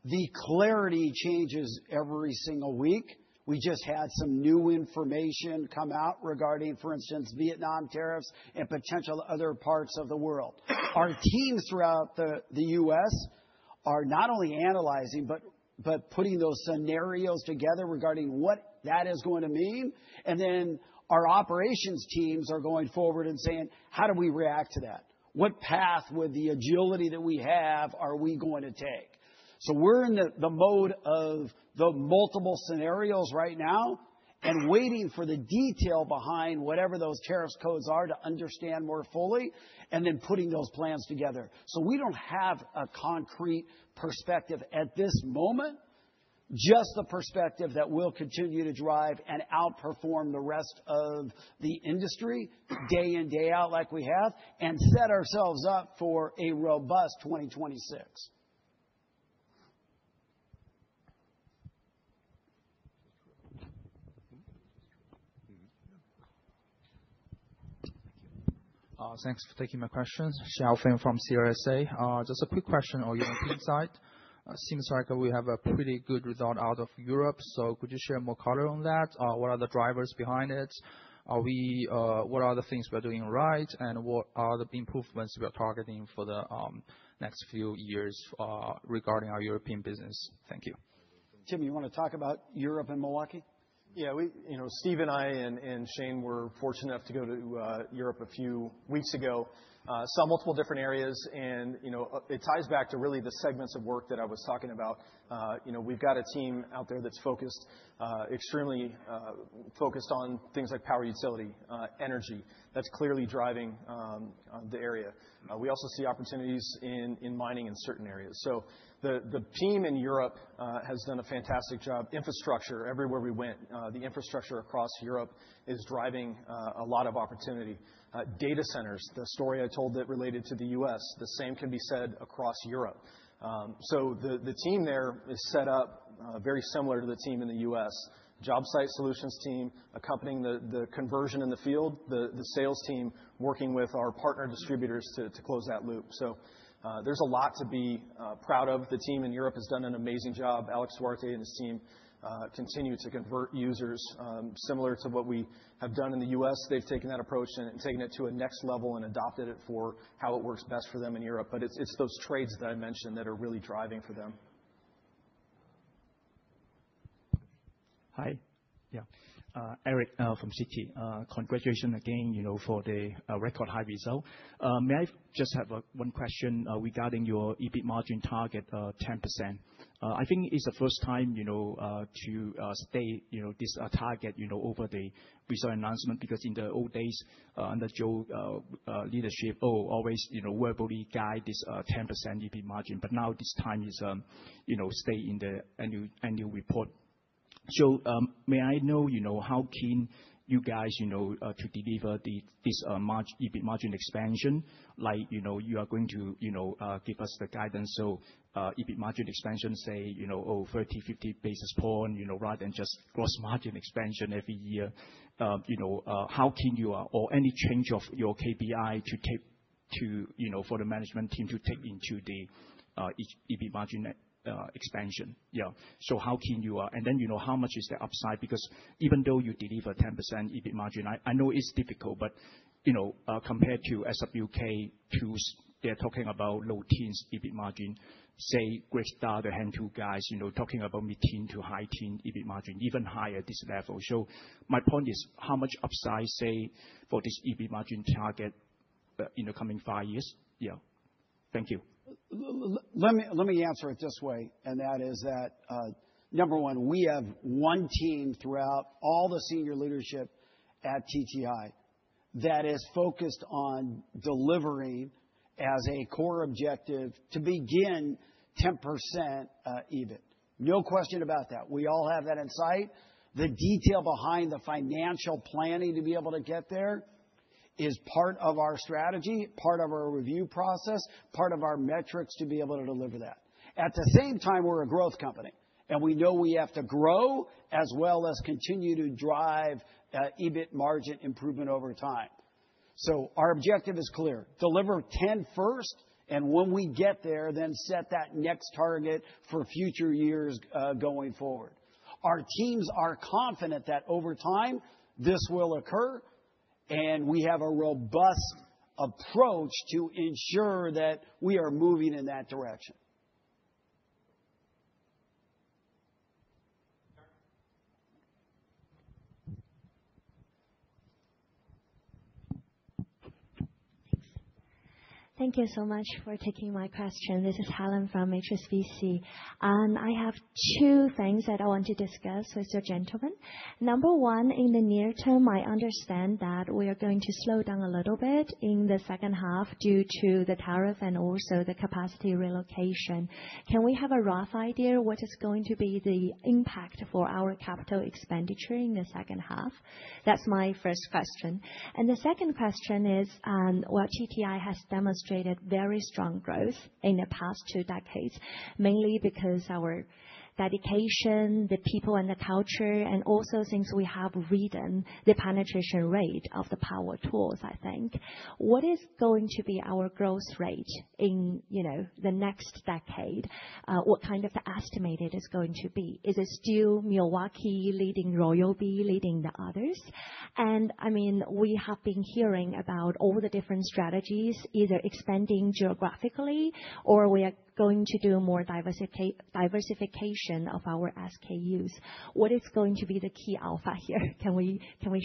the clarity changes every single week. We just had some new information come out regarding, for instance, Vietnam tariffs and potential other parts of the world. Our teams throughout the U.S. are not only analyzing but putting those scenarios together regarding what that is going to mean, and then our operations teams are going forward and saying how do we react to that? What path, with the agility that we have, are we going to take? We are in the mode of the multiple scenarios right now and waiting for the detail behind whatever those tariffs codes are to understand more fully, and then putting those plans together. We don't have a concrete perspective at this moment, just the perspective that we will continue to drive and outperform the rest of the industry day in, day out like we have and set ourselves up for a robust 2026. Thanks for taking my question. Xiao Feng from CLSA, just a quick question or even insight. Seems like we have a pretty good result out of Europe. Could you share more color on that? What are the drivers behind it? What are the things we're doing right and what are the improvements we are targeting for the next few years regarding our European business? Thank you. Tim. You want to talk about Europe and MILWAUKEE? Yeah, Steve and I and Shane were fortunate enough to go to Europe a few weeks ago, saw multiple different areas, and it ties back to really the segments of work that I was talking about. We've got a team out there that's extremely focused on things like power, utility, energy that's clearly driving the area. We also see opportunities in mining in certain areas. The team in Europe has done a fantastic job. Infrastructure everywhere we went, the infrastructure across Europe is driving a lot of opportunity, data centers. The story I told that related to the U.S., the same can be said across Europe. The team there is set up very similar to the team in the U.S. Job Site Solutions team accompanying the conversion in the field, the sales team working with our partner distributors to close that loop. There's a lot to be proud of. The team in Europe has done an amazing job. Alexandre Duarte and his team continue to convert users similar to what we have done in the U.S. They've taken that approach and taken it to a next level and adopted it for how it works best for them in Europe. It's those trades that I mentioned that are really driving for them. Hi, yeah, Eric from Citi. Congratulations again for the record high result. May I just have one question regarding your EBIT margin target 10%. I think it's the first time to state this target over the reserve announcement because in the old days under Joe leadership always verbally guide this 10% EBIT margin. Now this time it is stated in the annual report. May I know how keen you guys are to deliver this EBIT margin expansion, like, you know, you are going to give us the guidance. EBIT margin expansion, say, you know, 30 basis points, 50 basis points, rather than just gross profit margin expansion every year. How can you or any change of your KPI to take for the management team to take into the EBIT margin expansion? How can you, and then how much is the upside? Because even though you deliver 10% EBIT margin, I know it's difficult, but compared to SWK tools, they're talking about low teens EBIT margin. Grace, the hand tool guys, talking about mid teen to high teen EBIT margin, even higher this level. My point is how much upside, say, for this EBIT margin target in the coming five years? Yeah. Thank you. Let me answer it this way, and that is that, number one, we have one team throughout all the senior leadership at TTI that is focused on delivering as a core objective to begin 10% EBIT. No question about that. We all have that in sight. The detail behind the financial planning to be able to get there is part of our strategy, part of our review process, part of our metrics to be able to deliver that. At the same time, we're a growth company, and we know we have to grow as well as continue to drive EBIT margin improvement over time. Our objective is clear. Deliver 10% first, and when we get there, then set that next target for future years going forward. Our teams are confident that over time this will occur, and we have a robust approach to ensure that we are moving in that direction. Thank you so much for taking my question. This is Helen Fang from HSBC and I have two things that I want to discuss, Mr. Gentleman. Number one, in the near term I understand that we are going to slow down a little bit in the second half due to the tariffs and also the capacity relocation. Can we have a rough idea what is going to be the impact for our capital expenditure in the second half? That's my first question. The second question is, Techtronic Industries has demonstrated very strong growth in the past two decades mainly because of our dedication, the people, and the culture. Also, since we have written the penetration rate of the power tool, I think what is going to be our growth rate in the next decade? What kind of estimate is it going to be? Is it still MILWAUKEE leading, RYOBI leading the others? We have been hearing about all the different strategies, either expanding geographically or we are going to do more diversification of our SKUs. What is going to be the key alpha here? Can we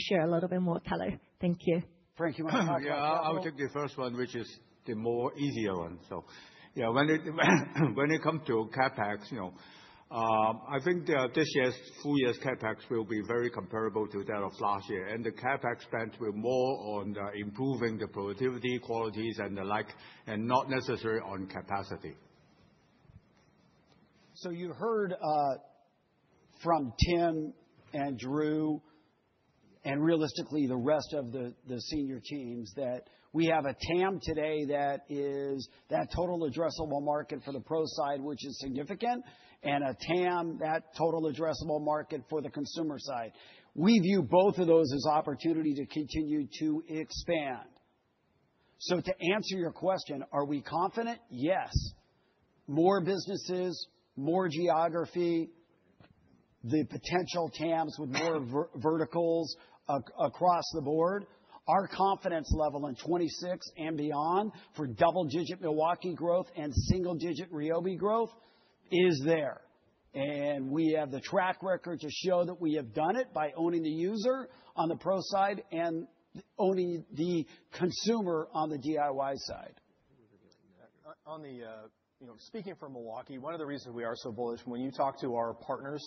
share a little bit more color? Thank you. Frank, you want to start? Yeah, I would take the first one, which is the more easier one. When it comes to CapEx, I think this year's full year's CapEx will be very comparable to that of last year, and the CapEx spend will be more on improving the productivity qualities and the like, and not necessarily on capacity. You heard from Drew and realistically the rest of the senior teams that we have a TAM today that is that total addressable market for the pro side, which is significant, and a TAM that total addressable market for the consumer side. We view both of those as opportunity to continue to expand. To answer your question, are we confident? Yes. More businesses, more geography, the potential TAMs with more verticals across the board, our confidence level in 2026 and beyond for double digit MILWAUKEE growth and single digit RYOBI growth is there. We have the track record to show that we have done it by owning the user on the pro side and owning the consumer on the DIY side. On the, you know, speaking for MILWAUKEE, one of the reasons we are so bullish when you talk to our partners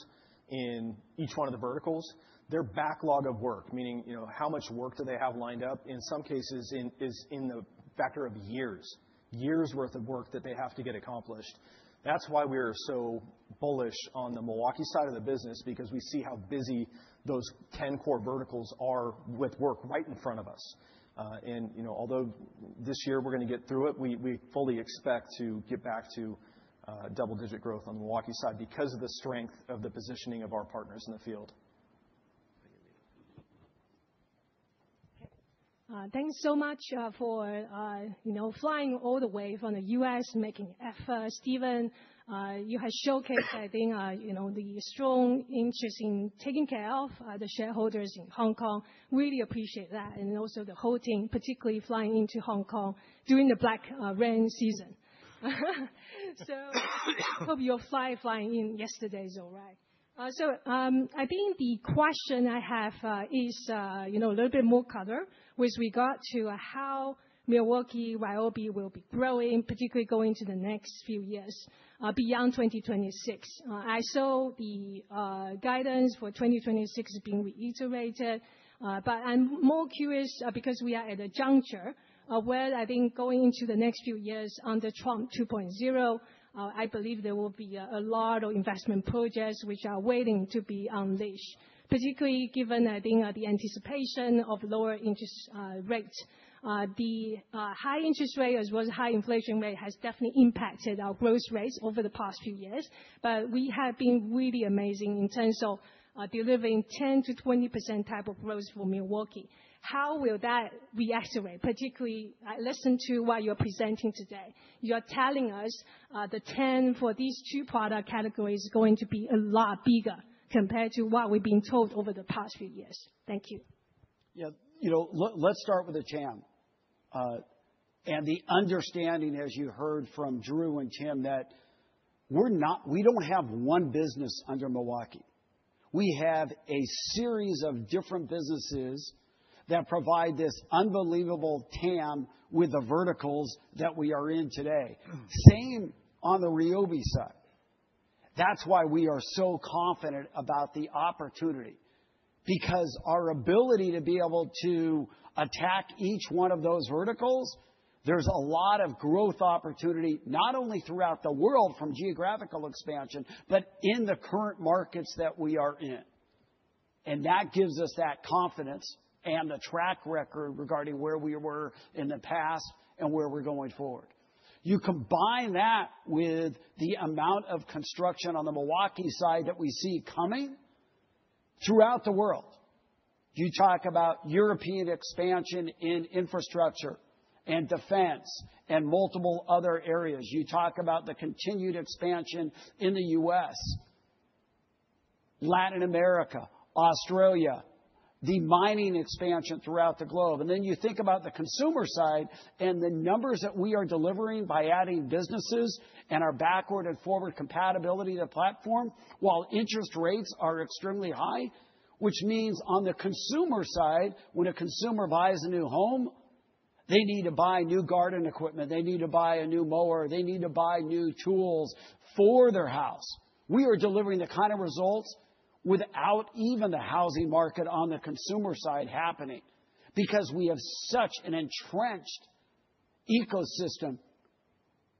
in each one of the verticals, their backlog of work, meaning, you know, how much work do they have lined up in some cases is in the factor of years, years worth of work that they have to get accomplished. That's why we are so bullish on the MILWAUKEE side of the business because we see how busy those 10 core verticals are with work right in front of us. Although this year we're going to get through it, we fully expect to get back to double digit growth on the MILWAUKEE side because of the strength of the positioning of our partners in the field. Thanks so much for flying all the way from the U.S., making efforts. Steven, you have showcased the strong interest in taking care of the shareholders in Hong Kong. Really appreciate that. Also, the whole thing, particularly flying into Hong Kong during the black rain season. Hope your flying in yesterday was all right. I think the question I have is, you know, a little bit more color with regard to how MILWAUKEE and RYOBI will be growing, particularly going to the next few years beyond 2026. I saw the guidance for 2026 being reiterated. I'm more curious because we are at a juncture where I think going into the next few years under Trump 2.0, I believe there will be a lot of investment projects which are waiting to be unleashed, particularly given the anticipation of lower interest rates. The high interest rate as well as high inflation rate has definitely impacted our growth rates over the past few years. We have been really amazing in terms of delivering 10%-20% type of growth for MILWAUKEE. How will that reactivate? Particularly, I listen to what you're presenting today. You're telling us the TAM for these two product categories is going to be a lot bigger compared to what we've been told over the past few years. Thank you. Yeah. You know, let's start with the TAM and the understanding, as you heard from Drew and Tim, that we're not. We don't have one business under MILWAUKEE. We have a series of different businesses that provide this unbelievable TAM with the verticals that we are in today. Same on the RYOBI side. That's why we are so confident about the opportunity because our ability to be able to attack each one of those verticals. There's a lot of growth opportunity not only throughout the world from geographical expansion, but in the current markets that we are in. That gives us that confidence and the track record regarding where we were in the past and where we're going forward. You combine that with the amount of construction on the MILWAUKEE side that we see coming throughout the world. You talk about European expansion in infrastructure and defense and multiple other areas. You talk about the continued expansion in the U.S., Latin America, Australia, the mining expansion throughout the globe. You think about the consumer side and the numbers that we are delivering by adding businesses and our backward and forward compatibility to platform. While interest rates are extremely high, which means on the consumer side, when a consumer buys a new home, they need to buy new garden equipment, they need to buy a new mower, they need to buy new tools for their house. We are delivering the kind of results without even the housing market on the consumer side happening because we have such an entrenched ecosystem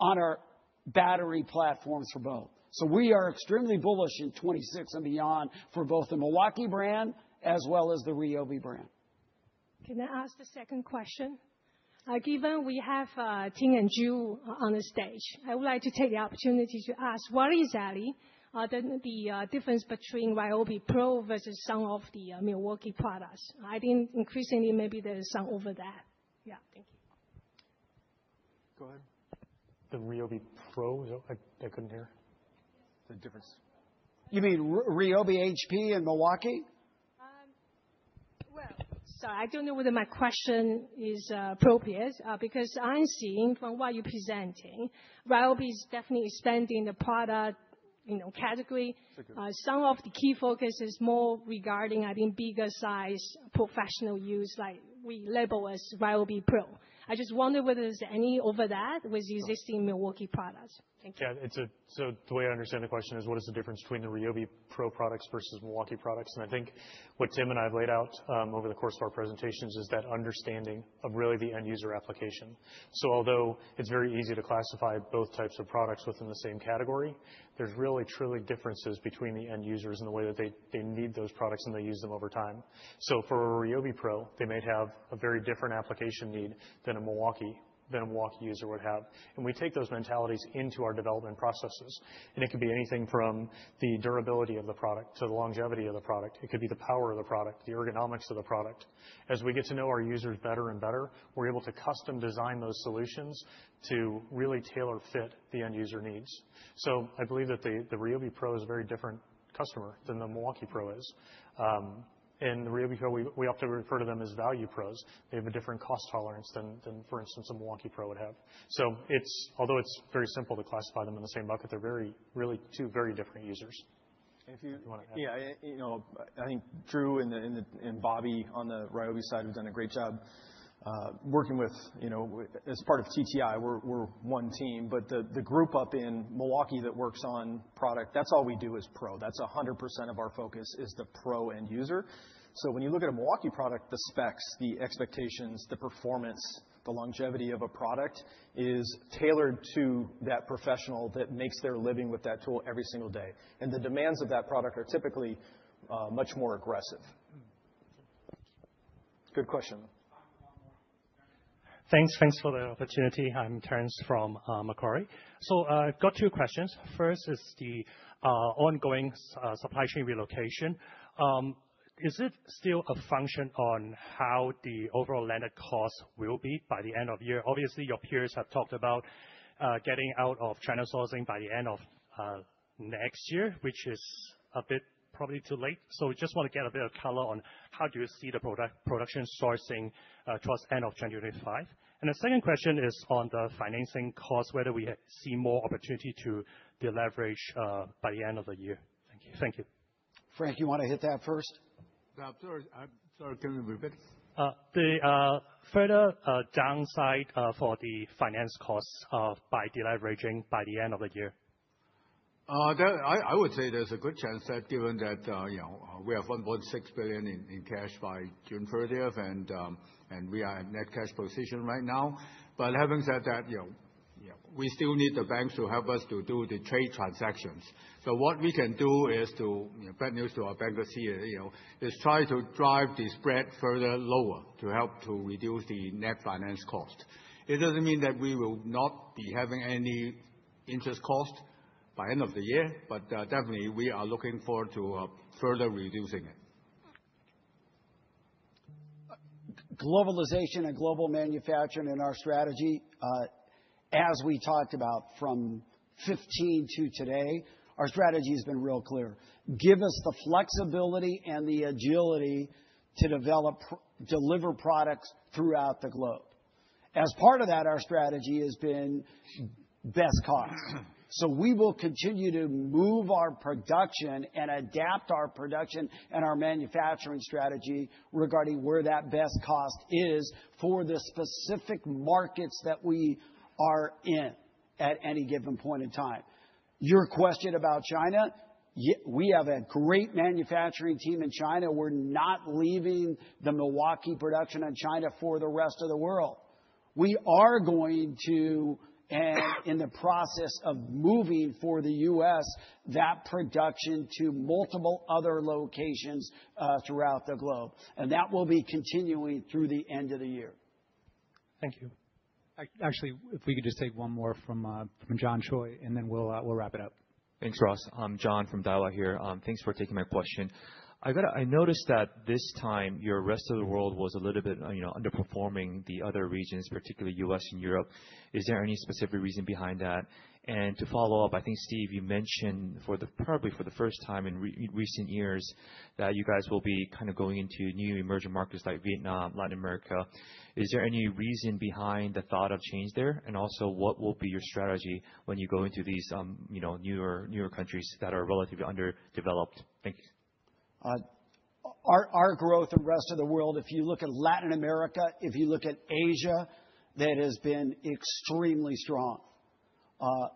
on our battery platforms for both. We are extremely bullish in 2026 and beyond for both the MILWAUKEE brand as well as the RYOBI brand. Can I ask the second question? Given we have Ting and Zhu on the stage, I would like to take the opportunity to ask what is really the difference between RYOBI Pro versus some of the MILWAUKEE products? I think increasingly maybe there is some overlap there. Yeah, thank you. Go ahead. The RYOBI Pro, I couldn't hear the difference. You mean RYOBI HP in MILWAUKEE? I don't know whether my question is appropriate because I'm seeing from what you're presenting, RYOBI is definitely expanding the product category. Some of the key focus is more regarding, I think, bigger size professional use like we label as RYOBI Pro. I just wonder whether there's any overlap with existing MILWAUKEE products. Thank you. Yeah, it's a. The way I understand the question is what is the difference between the RYOBI Pro products vs. MILWAUKEE products? I think what Tim and I have laid out over the course of our presentations is that understanding of really the end user application. Although it's very easy to classify both types of products within the same category, there are truly differences between the end users in the way that they deal with, they need those products, and they use them over time. For a RYOBI Pro, they might have a very different application need than a MILWAUKEE user would have. We take those mentalities into our development processes, and it can be anything from the durability of the product to the longevity of the product. It could be the power of the product, the ergonomics of the product. As we get to know our users better and better, we're able to custom design those solutions to really tailor fit the end user needs. I believe that the RYOBI Pro is a very different customer than the MILWAUKEE Pro is. The RYOBI Pro, we often refer to them as value pros. They have a different cost tolerance than, for instance, a MILWAUKEE Pro would have. Although it's very simple to classify them in the same bucket, they're really two very different users. Yeah. I think Drew and Bobby on the RYOBI side have done a great job working with. As part of TTI, we're one team. The group up in MILWAUKEE that works on product, that's all we do is Pro. That's 100% of our focus is the pro end user. When you look at a MILWAUKEE product, the specs, the expectations, the performance, the longevity of a product is tailored to that professional that makes their living with that tool every single day. The demands of that product are typically much more aggressive. Good question. Thanks. Thanks for the opportunity. I'm Terence from Macquarie. I've got two questions. First is the ongoing supply chain relocation, is it still a function on how the overall landed cost will be by the end of year? Obviously your peers have talked about getting out of China sourcing by the end of next year, which is probably too late. I just want to get a bit of color on how you see the production sourcing towards end of 2025. The second question is on the. Financing cost, whether we see more opportunity. To deleverage by the end of the year. Thank you. Frank, you want to hit that first. The further downside for the finance costs by deleveraging by the end of the year. I would say there's a good chance that given that we have $1.6 billion in cash by June 30th and we are at net cash flow decision right now. Having said that, we still need the banks to help us to do the trade transactions. What we can do to our bankers here is try to drive the spread further lower to help to reduce the net finance cost. It doesn't mean that we will not be having any interest cost by end of the year, but definitely we are looking forward to further reducing it. Globalization and global manufacturing in our strategy, as we talked about from 2015 to today, our strategy has been real clear, give us the flexibility and the agility to develop, deliver products throughout the globe. As part of that, our strategy has been best cost. We will continue to move our production and adapt our production and our manufacturing strategy regarding where that best cost is for the specific markets that we are in at any given point in time. Your question about China. We have a great manufacturing team in China. We're not leaving the MILWAUKEE production in China for the rest of the world. We are in the process of moving for the U.S. that production to multiple other locations throughout the globe, and that will be continuing through the end of the year. Thank you. Actually, if we could just take one. More from John Choi, and then we'll wrap it up. Thanks, Horst. I'm John from Daiwa here. Thanks for taking my question. I noticed that this time your rest of the world was a little bit underperforming the other regions, particularly U.S. and Europe. Is there any specific reason behind that? To follow up, I think, Steve, you mentioned for probably the first time in recent years that you. Guys will be kind of going into. New emerging markets like Vietnam, Latin America. Is there any reason behind the thought of change there? Also, what will be your strategy when you go into these newer countries that are relatively underdeveloped? Thank you. Our growth in rest of the world, if you look at Latin America, if you look at Asia, that has been extremely strong.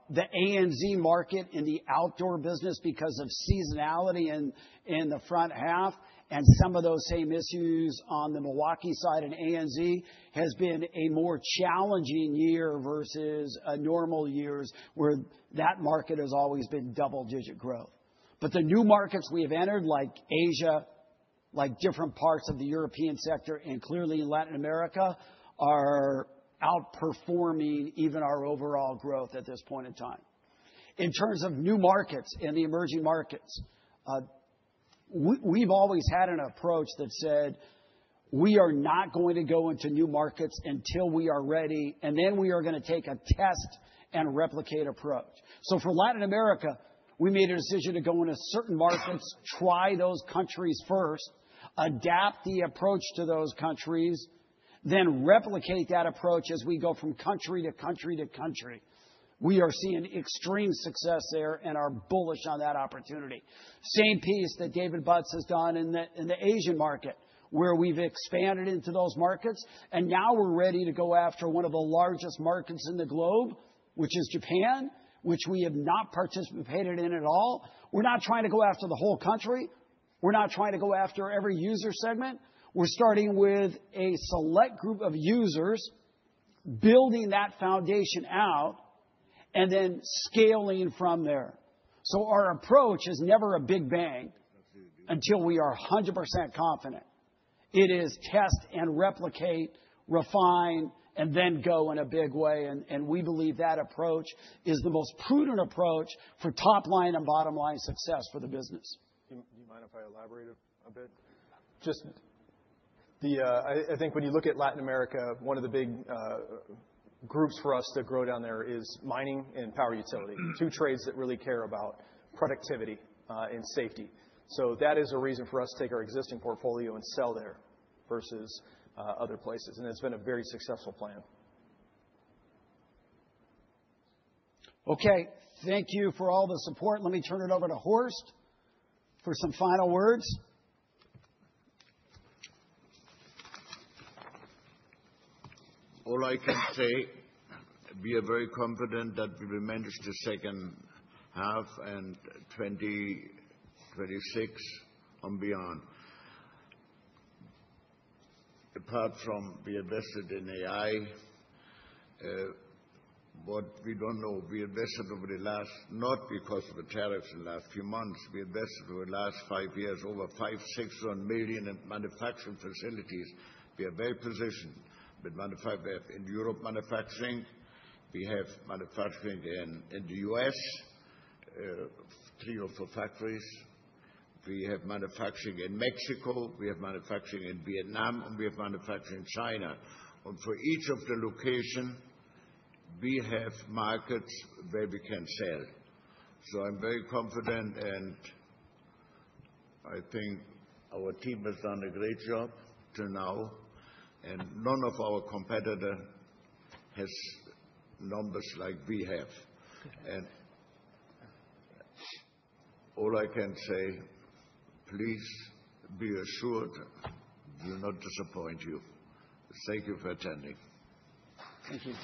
The ANZ market in the outdoor business, because of seasonality in the front half and some of those same issues on the MILWAUKEE side, has been a more challenging year versus normal years where that market has always been double-digit growth. The new markets we have entered, like Asia, like different parts of the European sector, and clearly Latin America, are outperforming even our overall growth at this point in time. In terms of new markets and the emerging markets, we've always had an approach that said we are not going to go into new markets until we are ready, and then we are going to take a test and replicate approach. For Latin America, we made a decision to go into certain markets, try those countries first, adapt the approach to those countries, then replicate that approach as we go from country to country to country. We are seeing extreme success there and are bullish on that opportunity. The same piece that David Butts has done in the Asian market, where we've expanded into those markets, and now we're ready to go after one of the largest markets in the globe, which is Japan, which we have not participated in at all. We are not trying to go after the whole country. We are not trying to go after every user segment. We are starting with a select group of users, building that foundation out, and then scaling from there. Our approach is never a big bang until we are 100% confident it is. Test and replicate, refine, and then go in a big way. We believe that approach is the most prudent approach for top line and bottom line success for the business. Do you mind if I elaborate a bit? I think when you look at Latin America, one of the big groups for us to grow down there is mining and power utility, two trades that really care about productivity and safety. That is a reason for us. To take our existing portfolio and sell there versus other places. It's been a very successful plan. Okay, thank you for all the support. Let me turn it over to Horst for some final words. All I can say, we are very confident that we will manage the second half and 2026 and beyond. Apart from we invested in AI, what we don't know, we invested over the last, not because of the tariffs in the last few months, we invested over the last five years over $5.6 million manufacturing facilities. We are very positioned with manufacturing in Europe, manufacturing, we have manufacturing in the. US. Three or four factories. We have manufacturing in Mexico, we have manufacturing in Vietnam, and we have manufacturing in China. For each of the locations, we have markets where we can sell. I'm very confident, and I think our team has done a great job till now, and none of our competitors has numbers like we have. And. All I can say, please be assured, will not disappoint you. Thank you for attending.